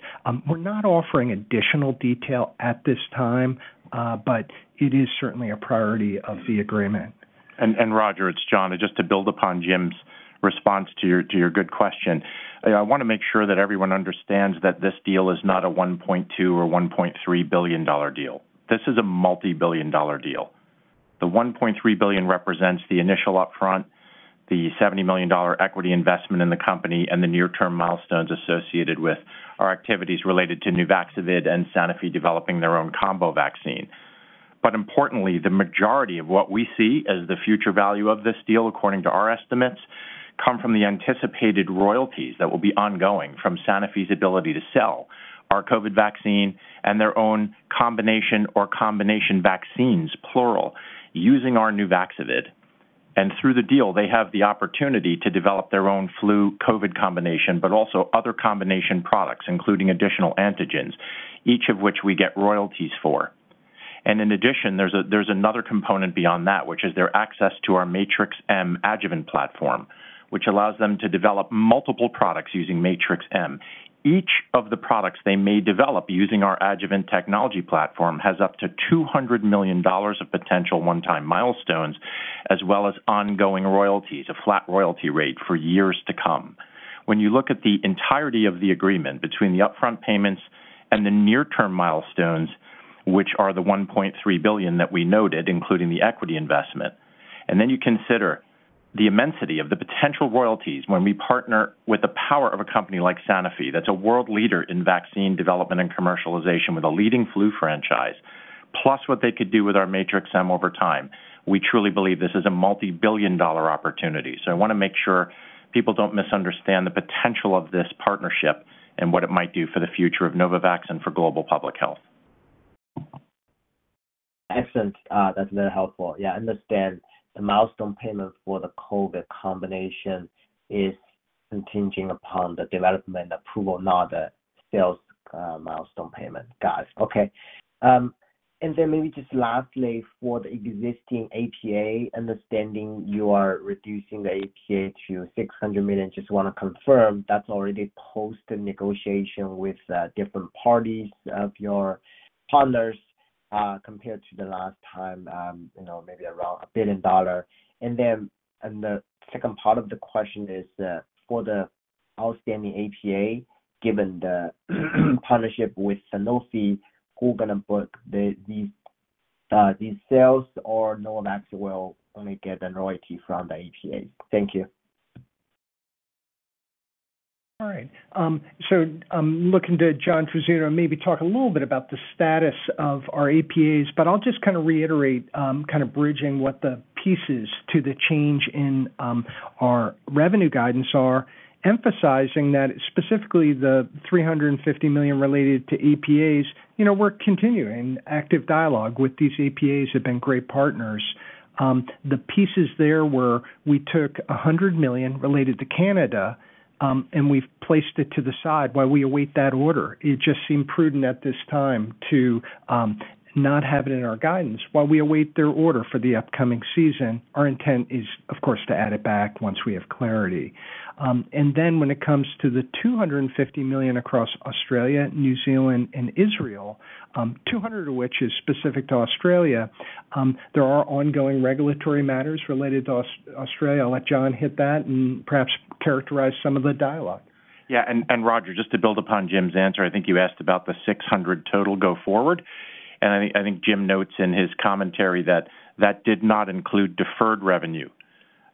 We're not offering additional detail at this time, but it is certainly a priority of the agreement. And Roger, it's John. Just to build upon Jim's response to your good question, I want to make sure that everyone understands that this deal is not a $1.2 billion or $1.3 billion deal. This is a multi-billion-dollar deal. The $1.3 billion represents the initial upfront, the $70 million equity investment in the company, and the near-term milestones associated with our activities related to Nuvaxovid and Sanofi developing their own combo vaccine. But importantly, the majority of what we see as the future value of this deal, according to our estimates, come from the anticipated royalties that will be ongoing from Sanofi's ability to sell our COVID vaccine and their own combination or combination vaccines, plural, using our Nuvaxovid. And through the deal, they have the opportunity to develop their own flu/COVID combination, but also other combination products, including additional antigens, each of which we get royalties for. In addition, there's another component beyond that, which is their access to our Matrix-M adjuvant platform, which allows them to develop multiple products using Matrix-M. Each of the products they may develop using our adjuvant technology platform has up to $200 million of potential one-time milestones as well as ongoing royalties, a flat royalty rate for years to come. When you look at the entirety of the agreement between the upfront payments and the near-term milestones, which are the $1.3 billion that we noted, including the equity investment, and then you consider the immensity of the potential royalties when we partner with the power of a company like Sanofi that's a world leader in vaccine development and commercialization with a leading flu franchise, plus what they could do with our Matrix-M over time, we truly believe this is a multi-billion dollar opportunity. I want to make sure people don't misunderstand the potential of this partnership and what it might do for the future of Novavax and for global public health. Excellent. That's very helpful. Yeah, I understand the milestone payment for the COVID combination is contingent upon the development approval, not the sales milestone payment. Got it. Okay. And then maybe just lastly, for the existing APA, understanding you are reducing the APA to $600 million, just want to confirm that's already post-negotiation with different parties of your partners compared to the last time, maybe around $1 billion. And then the second part of the question is, for the outstanding APA, given the partnership with Sanofi, who are going to book these sales or Novavax will only get the royalty from the APAs? Thank you. All right. So I'm looking to John Trizzino maybe talk a little bit about the status of our APAs, but I'll just kind of reiterate, kind of bridging what the pieces to the change in our revenue guidance are, emphasizing that specifically the $350 million related to APAs, we're continuing active dialogue with these APAs that have been great partners. The pieces there were we took $100 million related to Canada, and we've placed it to the side. While we await that order, it just seemed prudent at this time to not have it in our guidance. While we await their order for the upcoming season, our intent is, of course, to add it back once we have clarity. And then when it comes to the $250 million across Australia, New Zealand, and Israel, $200 million of which is specific to Australia, there are ongoing regulatory matters related to Australia. I'll let John hit that and perhaps characterize some of the dialogue. Yeah. And Roger, just to build upon Jim's answer, I think you asked about the 600 total go-forward. And I think Jim notes in his commentary that that did not include deferred revenue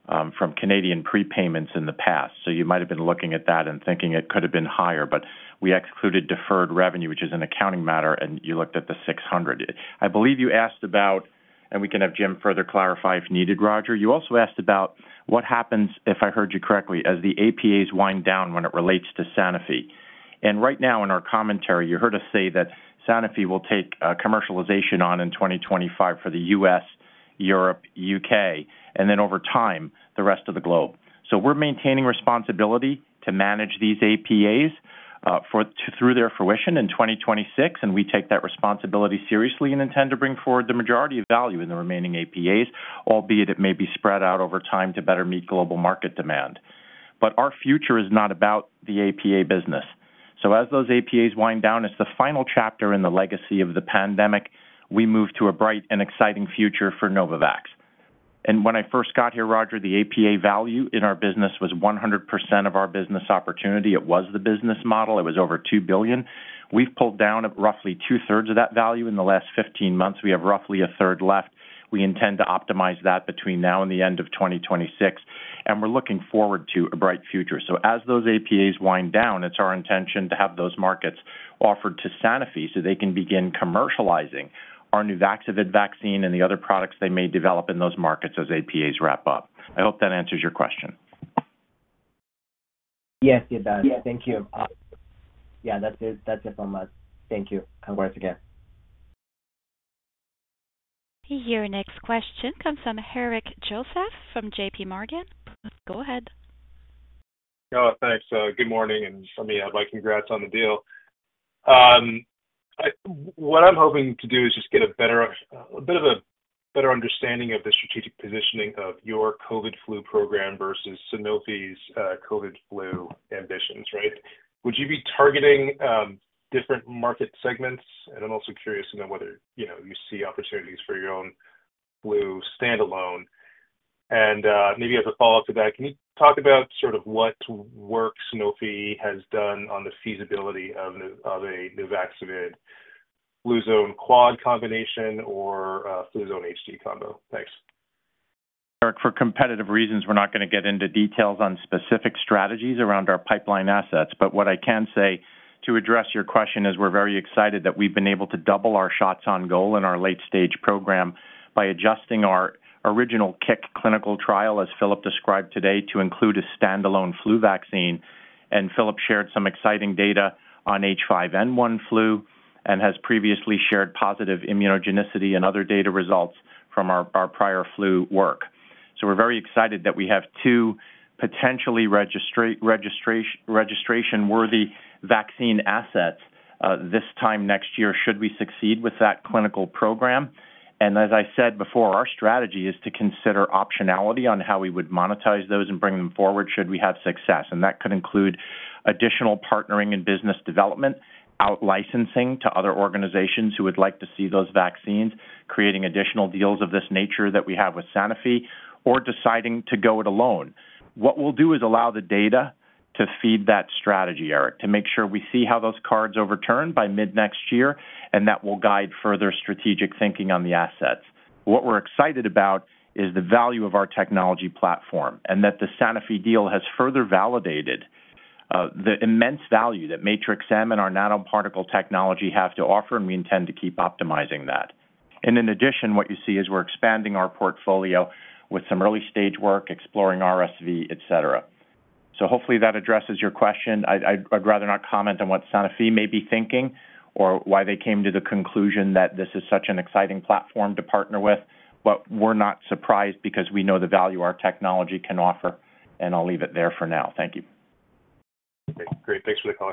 from Canadian prepayments in the past. So you might have been looking at that and thinking it could have been higher, but we excluded deferred revenue, which is an accounting matter, and you looked at the 600. I believe you asked about, and we can have Jim further clarify if needed, Roger, you also asked about what happens, if I heard you correctly, as the APAs wind down when it relates to Sanofi. And right now, in our commentary, you heard us say that Sanofi will take commercialization on in 2025 for the US, Europe, UK, and then over time, the rest of the globe. So we're maintaining responsibility to manage these APAs through their fruition in 2026, and we take that responsibility seriously and intend to bring forward the majority of value in the remaining APAs, albeit it may be spread out over time to better meet global market demand. But our future is not about the APA business. So as those APAs wind down, it's the final chapter in the legacy of the pandemic. We move to a bright and exciting future for Novavax. And when I first got here, Roger, the APA value in our business was 100% of our business opportunity. It was the business model. It was over $2 billion. We've pulled down roughly two-thirds of that value in the last 15 months. We have roughly a third left. We intend to optimize that between now and the end of 2026, and we're looking forward to a bright future. So as those APAs wind down, it's our intention to have those markets offered to Sanofi so they can begin commercializing our Nuvaxovid vaccine and the other products they may develop in those markets as APAs wrap up. I hope that answers your question. Yes, it does. Thank you. Yeah, that's it from us. Thank you. Congrats again. Hey, here. Next question comes from Eric Joseph from JPMorgan. Go ahead. Oh, thanks. Good morning. For me, I'd like congrats on the deal. What I'm hoping to do is just get a better understanding of the strategic positioning of your COVID/flu program versus Sanofi's COVID/flu ambitions, right? Would you be targeting different market segments? I'm also curious to know whether you see opportunities for your own flu standalone. Maybe as a follow-up to that, can you talk about sort of what work Sanofi has done on the feasibility of a Nuvaxovid/Fluzone quad combination or Fluzone HD combo? Thanks. Eric, for competitive reasons, we're not going to get into details on specific strategies around our pipeline assets. What I can say to address your question is we're very excited that we've been able to double our shots on goal in our late-stage program by adjusting our original CIC clinical trial, as Filip described today, to include a standalone flu vaccine. Filip shared some exciting data on H5N1 flu and has previously shared positive immunogenicity and other data results from our prior flu work. We're very excited that we have two potentially registration-worthy vaccine assets this time next year should we succeed with that clinical program. As I said before, our strategy is to consider optionality on how we would monetize those and bring them forward should we have success. That could include additional partnering in business development, out-licensing to other organizations who would like to see those vaccines, creating additional deals of this nature that we have with Sanofi, or deciding to go it alone. What we'll do is allow the data to feed that strategy, Eric, to make sure we see how those cards turn over by mid-next year, and that will guide further strategic thinking on the assets. What we're excited about is the value of our technology platform and that the Sanofi deal has further validated the immense value that Matrix-M and our nanoparticle technology have to offer, and we intend to keep optimizing that. In addition, what you see is we're expanding our portfolio with some early-stage work, exploring RSV, etc. Hopefully, that addresses your question. I'd rather not comment on what Sanofi may be thinking or why they came to the conclusion that this is such an exciting platform to partner with, but we're not surprised because we know the value our technology can offer. I'll leave it there for now. Thank you. Great. Thanks for the call.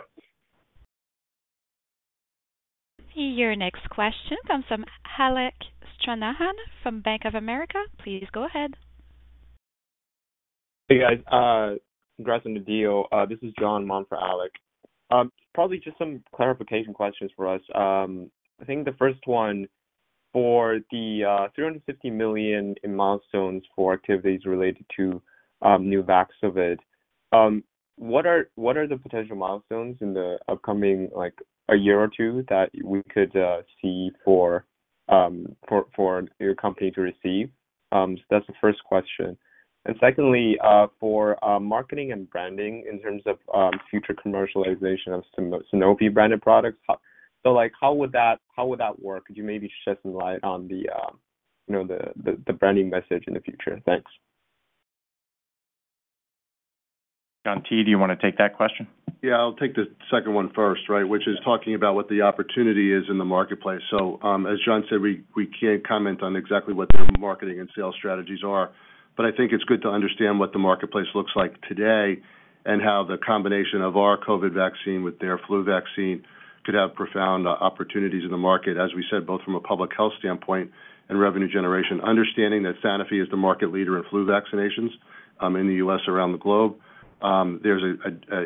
Hey here. Next question comes from Alec Stranahan from Bank of America. Please go ahead. Hey guys. Congrats on the deal. This is John on for Alec. Probably just some clarification questions for us. I think the first one, for the $350 million in milestones for activities related to Nuvaxovid, what are the potential milestones in the upcoming a year or two that we could see for your company to receive? So that's the first question. And secondly, for marketing and branding in terms of future commercialization of Sanofi-branded products, so how would that work? Could you maybe shed some light on the branding message in the future? Thanks. John T., do you want to take that question? Yeah. I'll take the second one first, right, which is talking about what the opportunity is in the marketplace. So as John said, we can't comment on exactly what their marketing and sales strategies are, but I think it's good to understand what the marketplace looks like today and how the combination of our COVID vaccine with their flu vaccine could have profound opportunities in the market, as we said, both from a public health standpoint and revenue generation. Understanding that Sanofi is the market leader in flu vaccinations in the U.S., around the globe, there's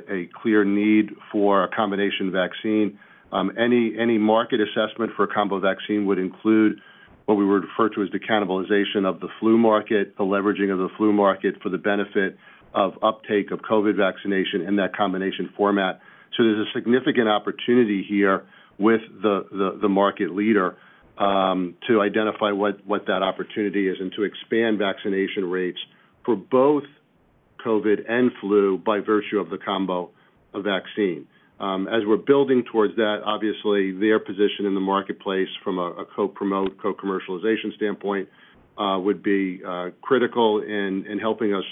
a clear need for a combination vaccine. Any market assessment for a combo vaccine would include what we would refer to as the cannibalization of the flu market, the leveraging of the flu market for the benefit of uptake of COVID vaccination in that combination format. So there's a significant opportunity here with the market leader to identify what that opportunity is and to expand vaccination rates for both COVID and flu by virtue of the combo vaccine. As we're building towards that, obviously, their position in the marketplace from a co-promote, co-commercialization standpoint would be critical in helping us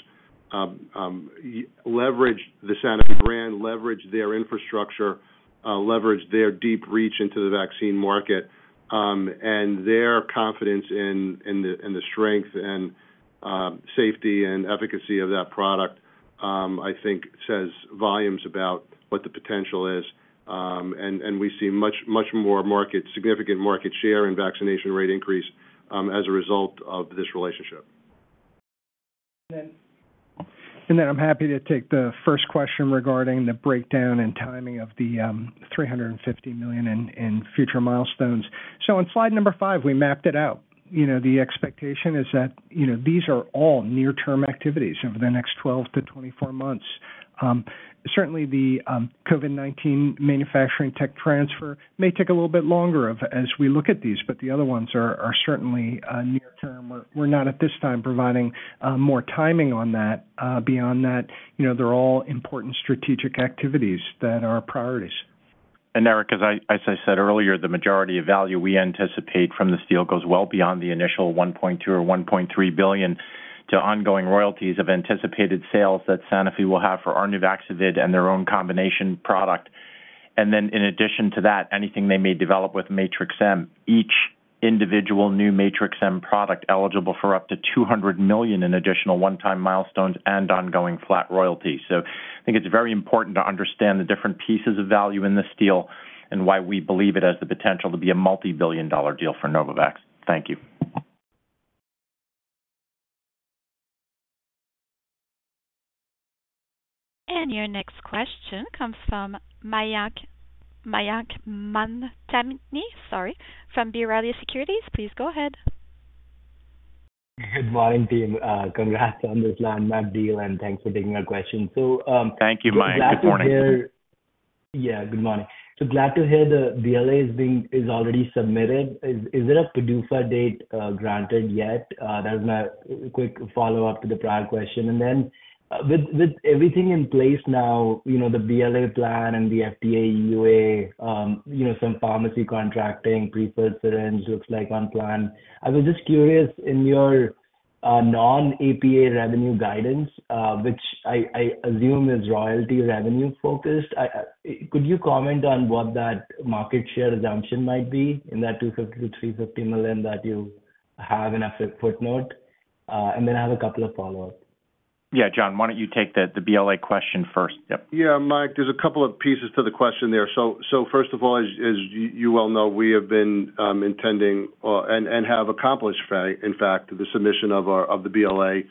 leverage the Sanofi brand, leverage their infrastructure, leverage their deep reach into the vaccine market. And their confidence in the strength and safety and efficacy of that product, I think, says volumes about what the potential is. And we see much, much more significant market share and vaccination rate increase as a result of this relationship. And then I'm happy to take the first question regarding the breakdown and timing of the $350 million in future milestones. On slide 5, we mapped it out. The expectation is that these are all near-term activities over the next 12-24 months. Certainly, the COVID-19 manufacturing tech transfer may take a little bit longer as we look at these, but the other ones are certainly near-term. We're not at this time providing more timing on that. Beyond that, they're all important strategic activities that are priorities. Eric, as I said earlier, the majority of value we anticipate from this deal goes well beyond the initial $1.2 billion or $1.3 billion to ongoing royalties of anticipated sales that Sanofi will have for our Nuvaxovid and their own combination product. And then in addition to that, anything they may develop with Matrix-M, each individual new Matrix-M product eligible for up to $200 million in additional one-time milestones and ongoing flat royalties. So I think it's very important to understand the different pieces of value in this deal and why we believe it has the potential to be a multi-billion dollar deal for Novavax. Thank you. Your next question comes from Mayank Mamtani, sorry, from B. Riley Securities. Please go ahead Good morning, team. Congrats on this landmark deal, and thanks for taking our question. So. Thank you, Mayank. Good morning. Yeah. Good morning. So glad to hear the BLA is already submitted. Is there a PDUFA date granted yet? That was my quick follow-up to the prior question. And then with everything in place now, the BLA plan and the FDA, EUA, some pharmacy contracting, prefilled syringes looks like on plan. I was just curious, in your non-APA revenue guidance, which I assume is royalty revenue-focused, could you comment on what that market share assumption might be in that $250 million-$350 million that you have in a footnote? And then I have a couple of follow-ups. Yeah, John, why don't you take the BLA question first? Yep. Yeah, Mayank, there's a couple of pieces to the question there. So first of all, as you well know, we have been intending and have accomplished, in fact, the submission of the BLA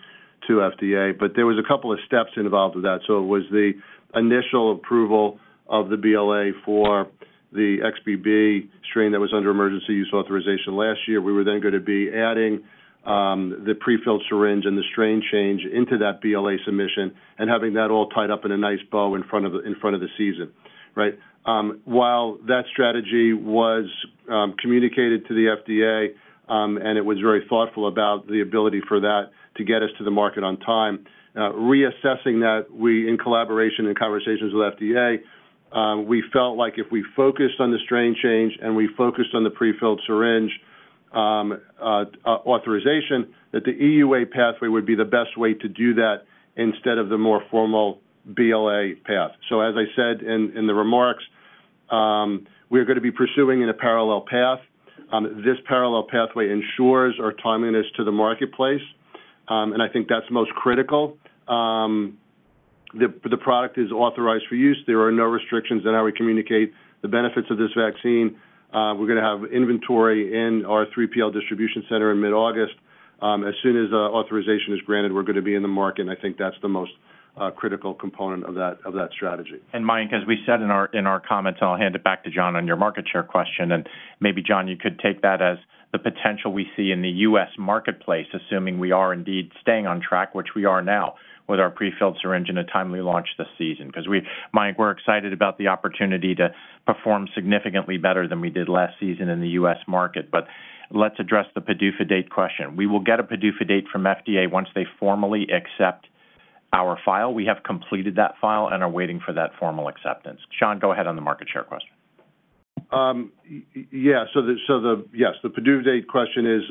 to FDA. But there was a couple of steps involved with that. So it was the initial approval of the BLA for the XBB strain that was under emergency use authorization last year. We were then going to be adding the prefilled syringe and the strain change into that BLA submission and having that all tied up in a nice bow in front of the season, right? While that strategy was communicated to the FDA and it was very thoughtful about the ability for that to get us to the market on time, reassessing that, in collaboration and conversations with FDA, we felt like if we focused on the strain change and we focused on the prefilled syringe authorization, that the EUA pathway would be the best way to do that instead of the more formal BLA path. So as I said in the remarks, we are going to be pursuing in a parallel path. This parallel pathway ensures our timeliness to the marketplace, and I think that's most critical. The product is authorized for use. There are no restrictions in how we communicate the benefits of this vaccine. We're going to have inventory in our 3PL distribution center in mid-August. As soon as authorization is granted, we're going to be in the market. I think that's the most critical component of that strategy. Mayank, as we said in our comments, and I'll hand it back to John on your market share question, and maybe, John, you could take that as the potential we see in the U.S. marketplace, assuming we are indeed staying on track, which we are now with our prefilled syringe and a timely launch this season. Because Mayank, we're excited about the opportunity to perform significantly better than we did last season in the U.S. market. But let's address the PDUFA date question. We will get a PDUFA date from FDA once they formally accept our file. We have completed that file and are waiting for that formal acceptance. John, go ahead on the market share question. Yeah. So yes, the PDUFA date question is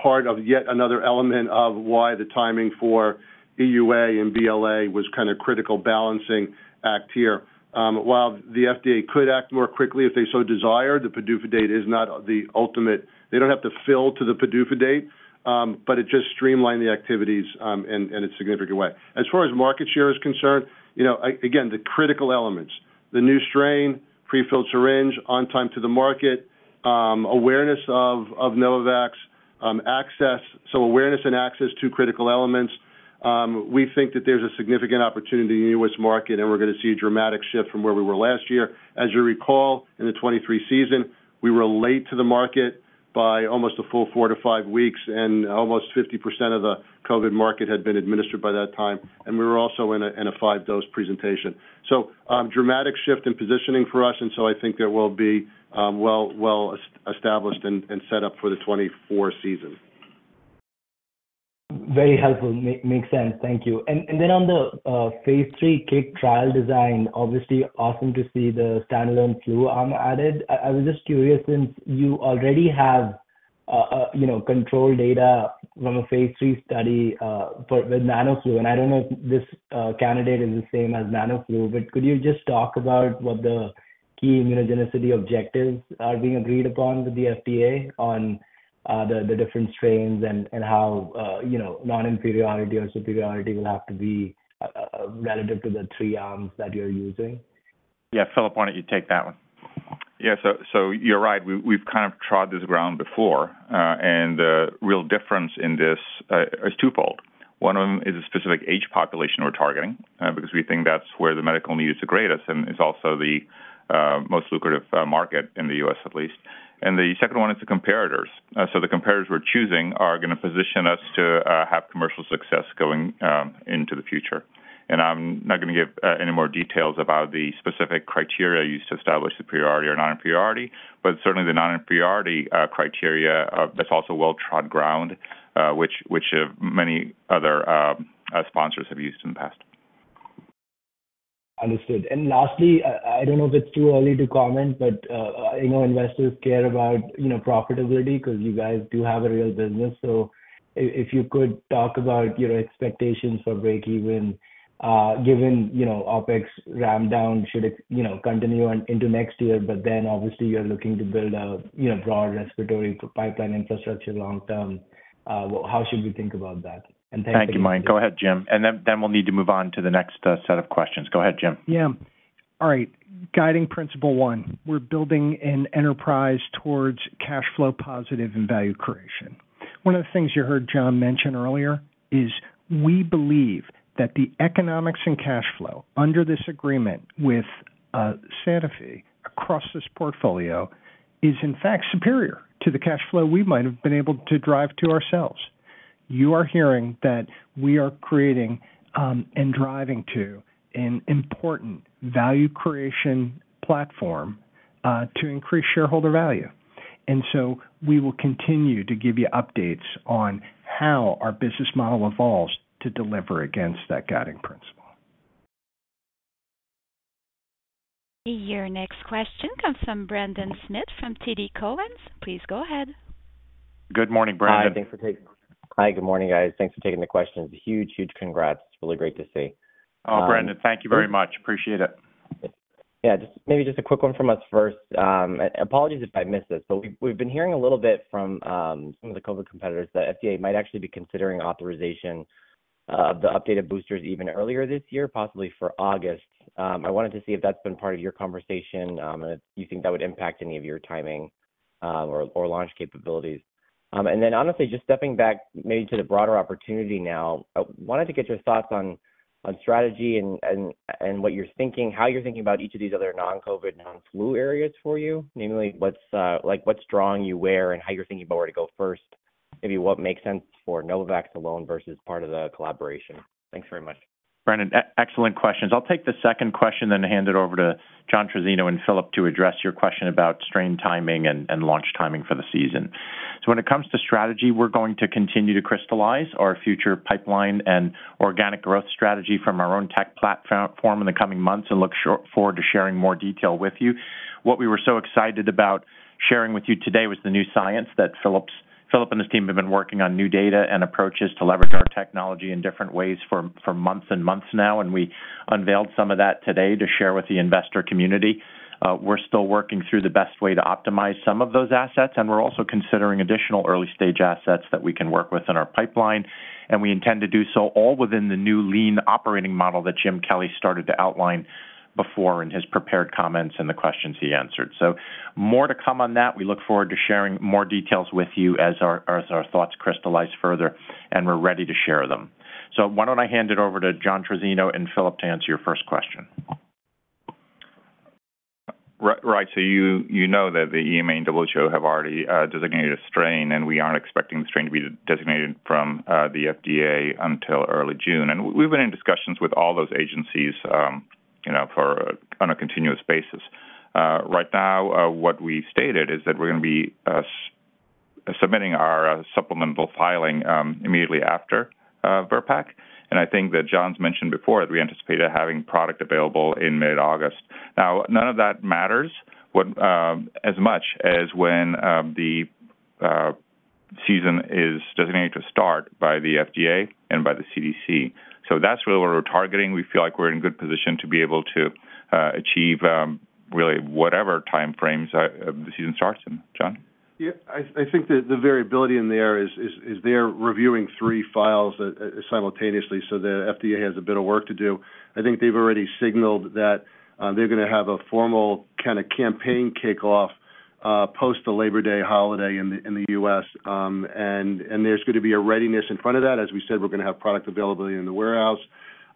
part of yet another element of why the timing for EUA and BLA was kind of critical balancing act here. While the FDA could act more quickly if they so desire, the PDUFA date is not the ultimate they don't have to fill to the PDUFA date, but it just streamlined the activities in a significant way. As far as market share is concerned, again, the critical elements: the new strain, prefilled syringe, on time to the market, awareness of Novavax, so awareness and access to critical elements. We think that there's a significant opportunity in the U.S. market, and we're going to see a dramatic shift from where we were last year. As you recall, in the 2023 season, we were late to the market by almost a full 4-5 weeks, and almost 50% of the COVID market had been administered by that time. We were also in a 5-dose presentation. Dramatic shift in positioning for us. I think there will be well established and set up for the 2024 season. Very helpful. Makes sense. Thank you. And then on the phase 3 CIC trial design, obviously, awesome to see the standalone flu arm added. I was just curious, since you already have controlled data from a phase 3 study with NanoFlu, and I don't know if this candidate is the same as NanoFlu, but could you just talk about what the key immunogenicity objectives are being agreed upon with the FDA on the different strains and how non-inferiority or superiority will have to be relative to the three arms that you're using? Yeah. Filip, why don't you take that one? Yeah. So you're right. We've kind of trod this ground before, and the real difference in this is twofold. One of them is the specific age population we're targeting because we think that's where the medical need is the greatest and is also the most lucrative market in the U.S., at least. And the second one is the comparators. So the comparators we're choosing are going to position us to have commercial success going into the future. And I'm not going to give any more details about the specific criteria used to establish superiority or non-inferiority, but certainly the non-inferiority criteria, that's also well-trod ground, which many other sponsors have used in the past. Understood. Lastly, I don't know if it's too early to comment, but I know investors care about profitability because you guys do have a real business. So if you could talk about your expectations for break-even, given OpEx rampdown should continue into next year, but then obviously, you're looking to build a broad respiratory pipeline infrastructure long term, how should we think about that? Thank you. Thank you, Mayank. Go ahead, Jim. And then we'll need to move on to the next set of questions. Go ahead, Jim. Yeah. All right. Guiding principle one, we're building an enterprise towards cash flow positive and value creation. One of the things you heard John mention earlier is we believe that the economics and cash flow under this agreement with Sanofi across this portfolio is, in fact, superior to the cash flow we might have been able to drive to ourselves. You are hearing that we are creating and driving to an important value creation platform to increase shareholder value. And so we will continue to give you updates on how our business model evolves to deliver against that guiding principle. Your next question comes from Brendan Smith from TD Cowen. Please go ahead. Good morning, Brendan. Hi. Thanks for taking the question. Hi. Good morning, guys. Thanks for taking the questions. Huge, huge congrats. Really great to see. Oh, Brendan, thank you very much. Appreciate it. Yeah. Maybe just a quick one from us first. Apologies if I missed this, but we've been hearing a little bit from some of the COVID competitors that FDA might actually be considering authorization of the updated boosters even earlier this year, possibly for August. I wanted to see if that's been part of your conversation and if you think that would impact any of your timing or launch capabilities. And then honestly, just stepping back maybe to the broader opportunity now, I wanted to get your thoughts on strategy and what you're thinking, how you're thinking about each of these other non-COVID, non-flu areas for you, namely what's drawing you where and how you're thinking about where to go first, maybe what makes sense for Novavax alone versus part of the collaboration. Thanks very much. Brendan, excellent questions. I'll take the second question then hand it over to John Trizzino and Filip to address your question about strain timing and launch timing for the season. So when it comes to strategy, we're going to continue to crystallize our future pipeline and organic growth strategy from our own tech platform in the coming months and look forward to sharing more detail with you. What we were so excited about sharing with you today was the new science that Filip and his team have been working on new data and approaches to leverage our technology in different ways for months and months now. And we unveiled some of that today to share with the investor community. We're still working through the best way to optimize some of those assets, and we're also considering additional early-stage assets that we can work with in our pipeline. We intend to do so all within the new lean operating model that Jim Kelly started to outline before in his prepared comments and the questions he answered. So more to come on that. We look forward to sharing more details with you as our thoughts crystallize further and we're ready to share them. So why don't I hand it over to John Trizzino and Filip to answer your first question? Right. So you know that the EMA and WHO have already designated a strain, and we aren't expecting the strain to be designated from the FDA until early June. And we've been in discussions with all those agencies on a continuous basis. Right now, what we stated is that we're going to be submitting our supplemental filing immediately after VRBPAC. And I think that John's mentioned before that we anticipate having product available in mid-August. Now, none of that matters as much as when the season is designated to start by the FDA and by the CDC. So that's really what we're targeting. We feel like we're in good position to be able to achieve really whatever time frames the season starts in, John? Yeah. I think the variability in there is they're reviewing three files simultaneously, so the FDA has a bit of work to do. I think they've already signaled that they're going to have a formal kind of campaign kickoff post the Labor Day holiday in the U.S. And there's going to be a readiness in front of that. As we said, we're going to have product availability in the warehouse.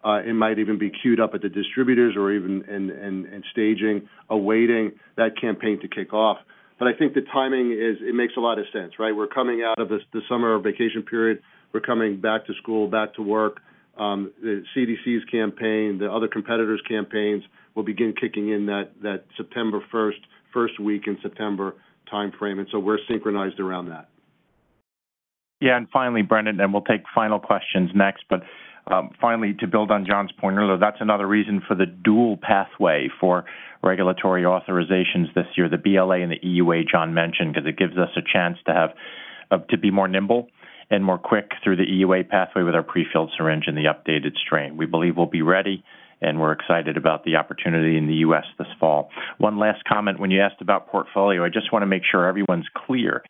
It might even be queued up at the distributors or even in staging, awaiting that campaign to kick off. But I think the timing, it makes a lot of sense, right? We're coming out of the summer vacation period. We're coming back to school, back to work. The CDC's campaign, the other competitors' campaigns will begin kicking in that September 1st, first week in September time frame. And so we're synchronized around that. Yeah. And finally, Brendan, and we'll take final questions next. But finally, to build on John's point earlier, that's another reason for the dual pathway for regulatory authorizations this year, the BLA and the EUA John mentioned, because it gives us a chance to be more nimble and more quick through the EUA pathway with our prefilled syringe and the updated strain. We believe we'll be ready, and we're excited about the opportunity in the U.S. this fall. One last comment. When you asked about portfolio, I just want to make sure everyone's clear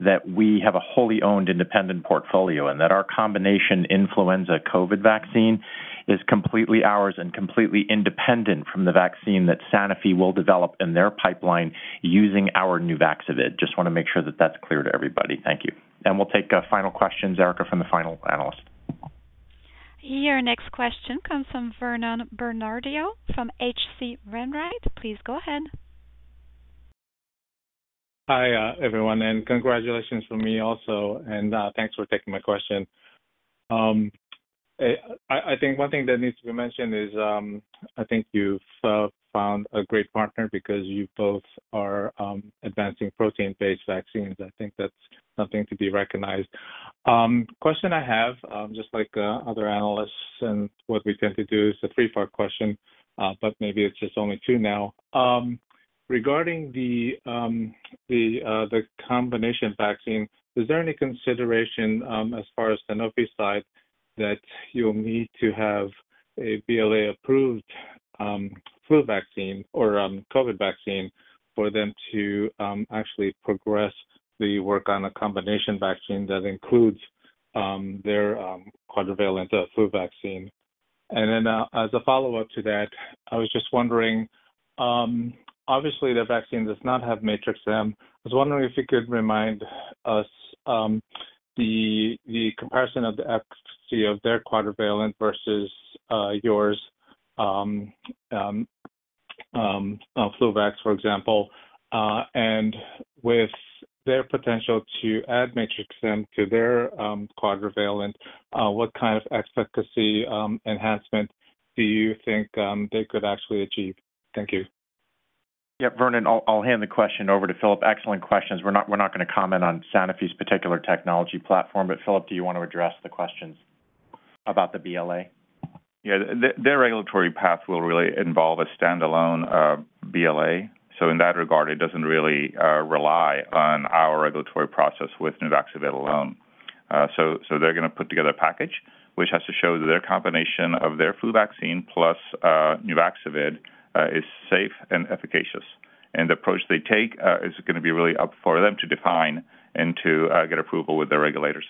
that we have a wholly owned, independent portfolio and that our combination influenza/COVID vaccine is completely ours and completely independent from the vaccine that Sanofi will develop in their pipeline using our Nuvaxovid. Just want to make sure that that's clear to everybody. Thank you. And we'll take final questions, Erika, from the final analyst. Your next question comes from Vernon Bernardino from H.C. Wainwright. Please go ahead. Hi, everyone. And congratulations from me also, and thanks for taking my question. I think one thing that needs to be mentioned is I think you've found a great partner because you both are advancing protein-based vaccines. I think that's something to be recognized. Question I have, just like other analysts and what we tend to do, is a three-part question, but maybe it's just only two now. Regarding the combination vaccine, is there any consideration as far as Sanofi's side that you'll need to have a BLA-approved flu vaccine or COVID vaccine for them to actually progress the work on a combination vaccine that includes their quadrivalent flu vaccine? And then as a follow-up to that, I was just wondering, obviously, the vaccine does not have Matrix-M. I was wondering if you could remind us the comparison of the efficacy of their quadrivalent versus yours flu vax, for example, and with their potential to add Matrix-M to their quadrivalent, what kind of efficacy enhancement do you think they could actually achieve? Thank you. Yep. Vernon, I'll hand the question over to Filip. Excellent questions. We're not going to comment on Sanofi's particular technology platform, but Filip, do you want to address the questions about the BLA? Yeah. Their regulatory path will really involve a standalone BLA. So in that regard, it doesn't really rely on our regulatory process with Nuvaxovid alone. So they're going to put together a package which has to show that their combination of their flu vaccine plus Nuvaxovid is safe and efficacious. And the approach they take is going to be really up for them to define and to get approval with their regulators.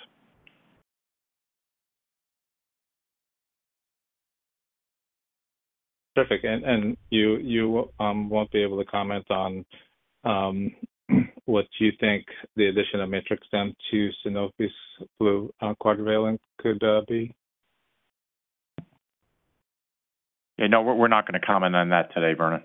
Terrific. And you won't be able to comment on what you think the addition of Matrix-M to Sanofi's flu quadrivalent could be? Yeah. No, we're not going to comment on that today, Vernon.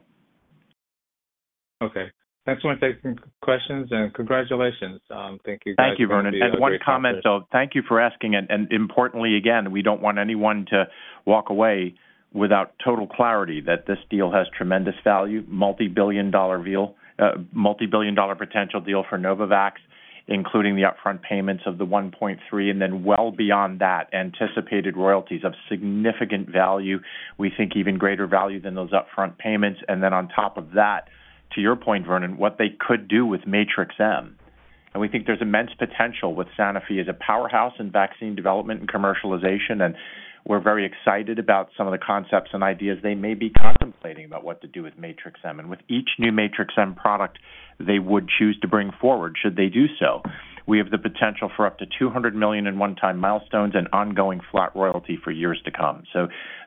Okay. Thanks for taking questions, and congratulations. Thank you, guys. Thank you, Vernon. And one comment, though. Thank you for asking. And importantly, again, we don't want anyone to walk away without total clarity that this deal has tremendous value, multibillion-dollar potential deal for Novavax, including the upfront payments of the $1.3 billion and then well beyond that, anticipated royalties of significant value, we think even greater value than those upfront payments. And then on top of that, to your point, Vernon, what they could do with Matrix-M. And we think there's immense potential with Sanofi as a powerhouse in vaccine development and commercialization. And we're very excited about some of the concepts and ideas they may be contemplating about what to do with Matrix-M. With each new Matrix-M product they would choose to bring forward should they do so, we have the potential for up to $200 million in one-time milestones and ongoing flat royalty for years to come.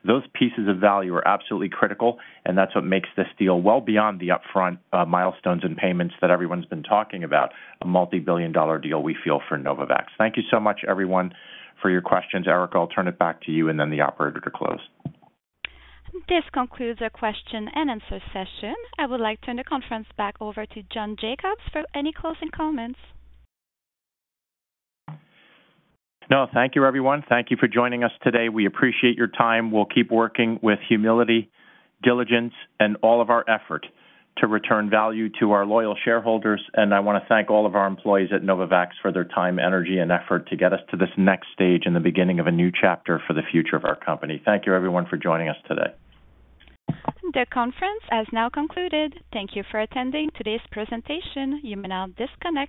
Those pieces of value are absolutely critical, and that's what makes this deal well beyond the upfront milestones and payments that everyone's been talking about, a multibillion-dollar deal, we feel, for Novavax. Thank you so much, everyone, for your questions, Erika. I'll turn it back to you, and then the operator to close. This concludes our question and answer session. I would like to turn the conference back over to John Jacobs for any closing comments. No. Thank you, everyone. Thank you for joining us today. We appreciate your time. We'll keep working with humility, diligence, and all of our effort to return value to our loyal shareholders. I want to thank all of our employees at Novavax for their time, energy, and effort to get us to this next stage in the beginning of a new chapter for the future of our company. Thank you, everyone, for joining us today. The conference has now concluded. Thank you for attending today's presentation. You may now disconnect.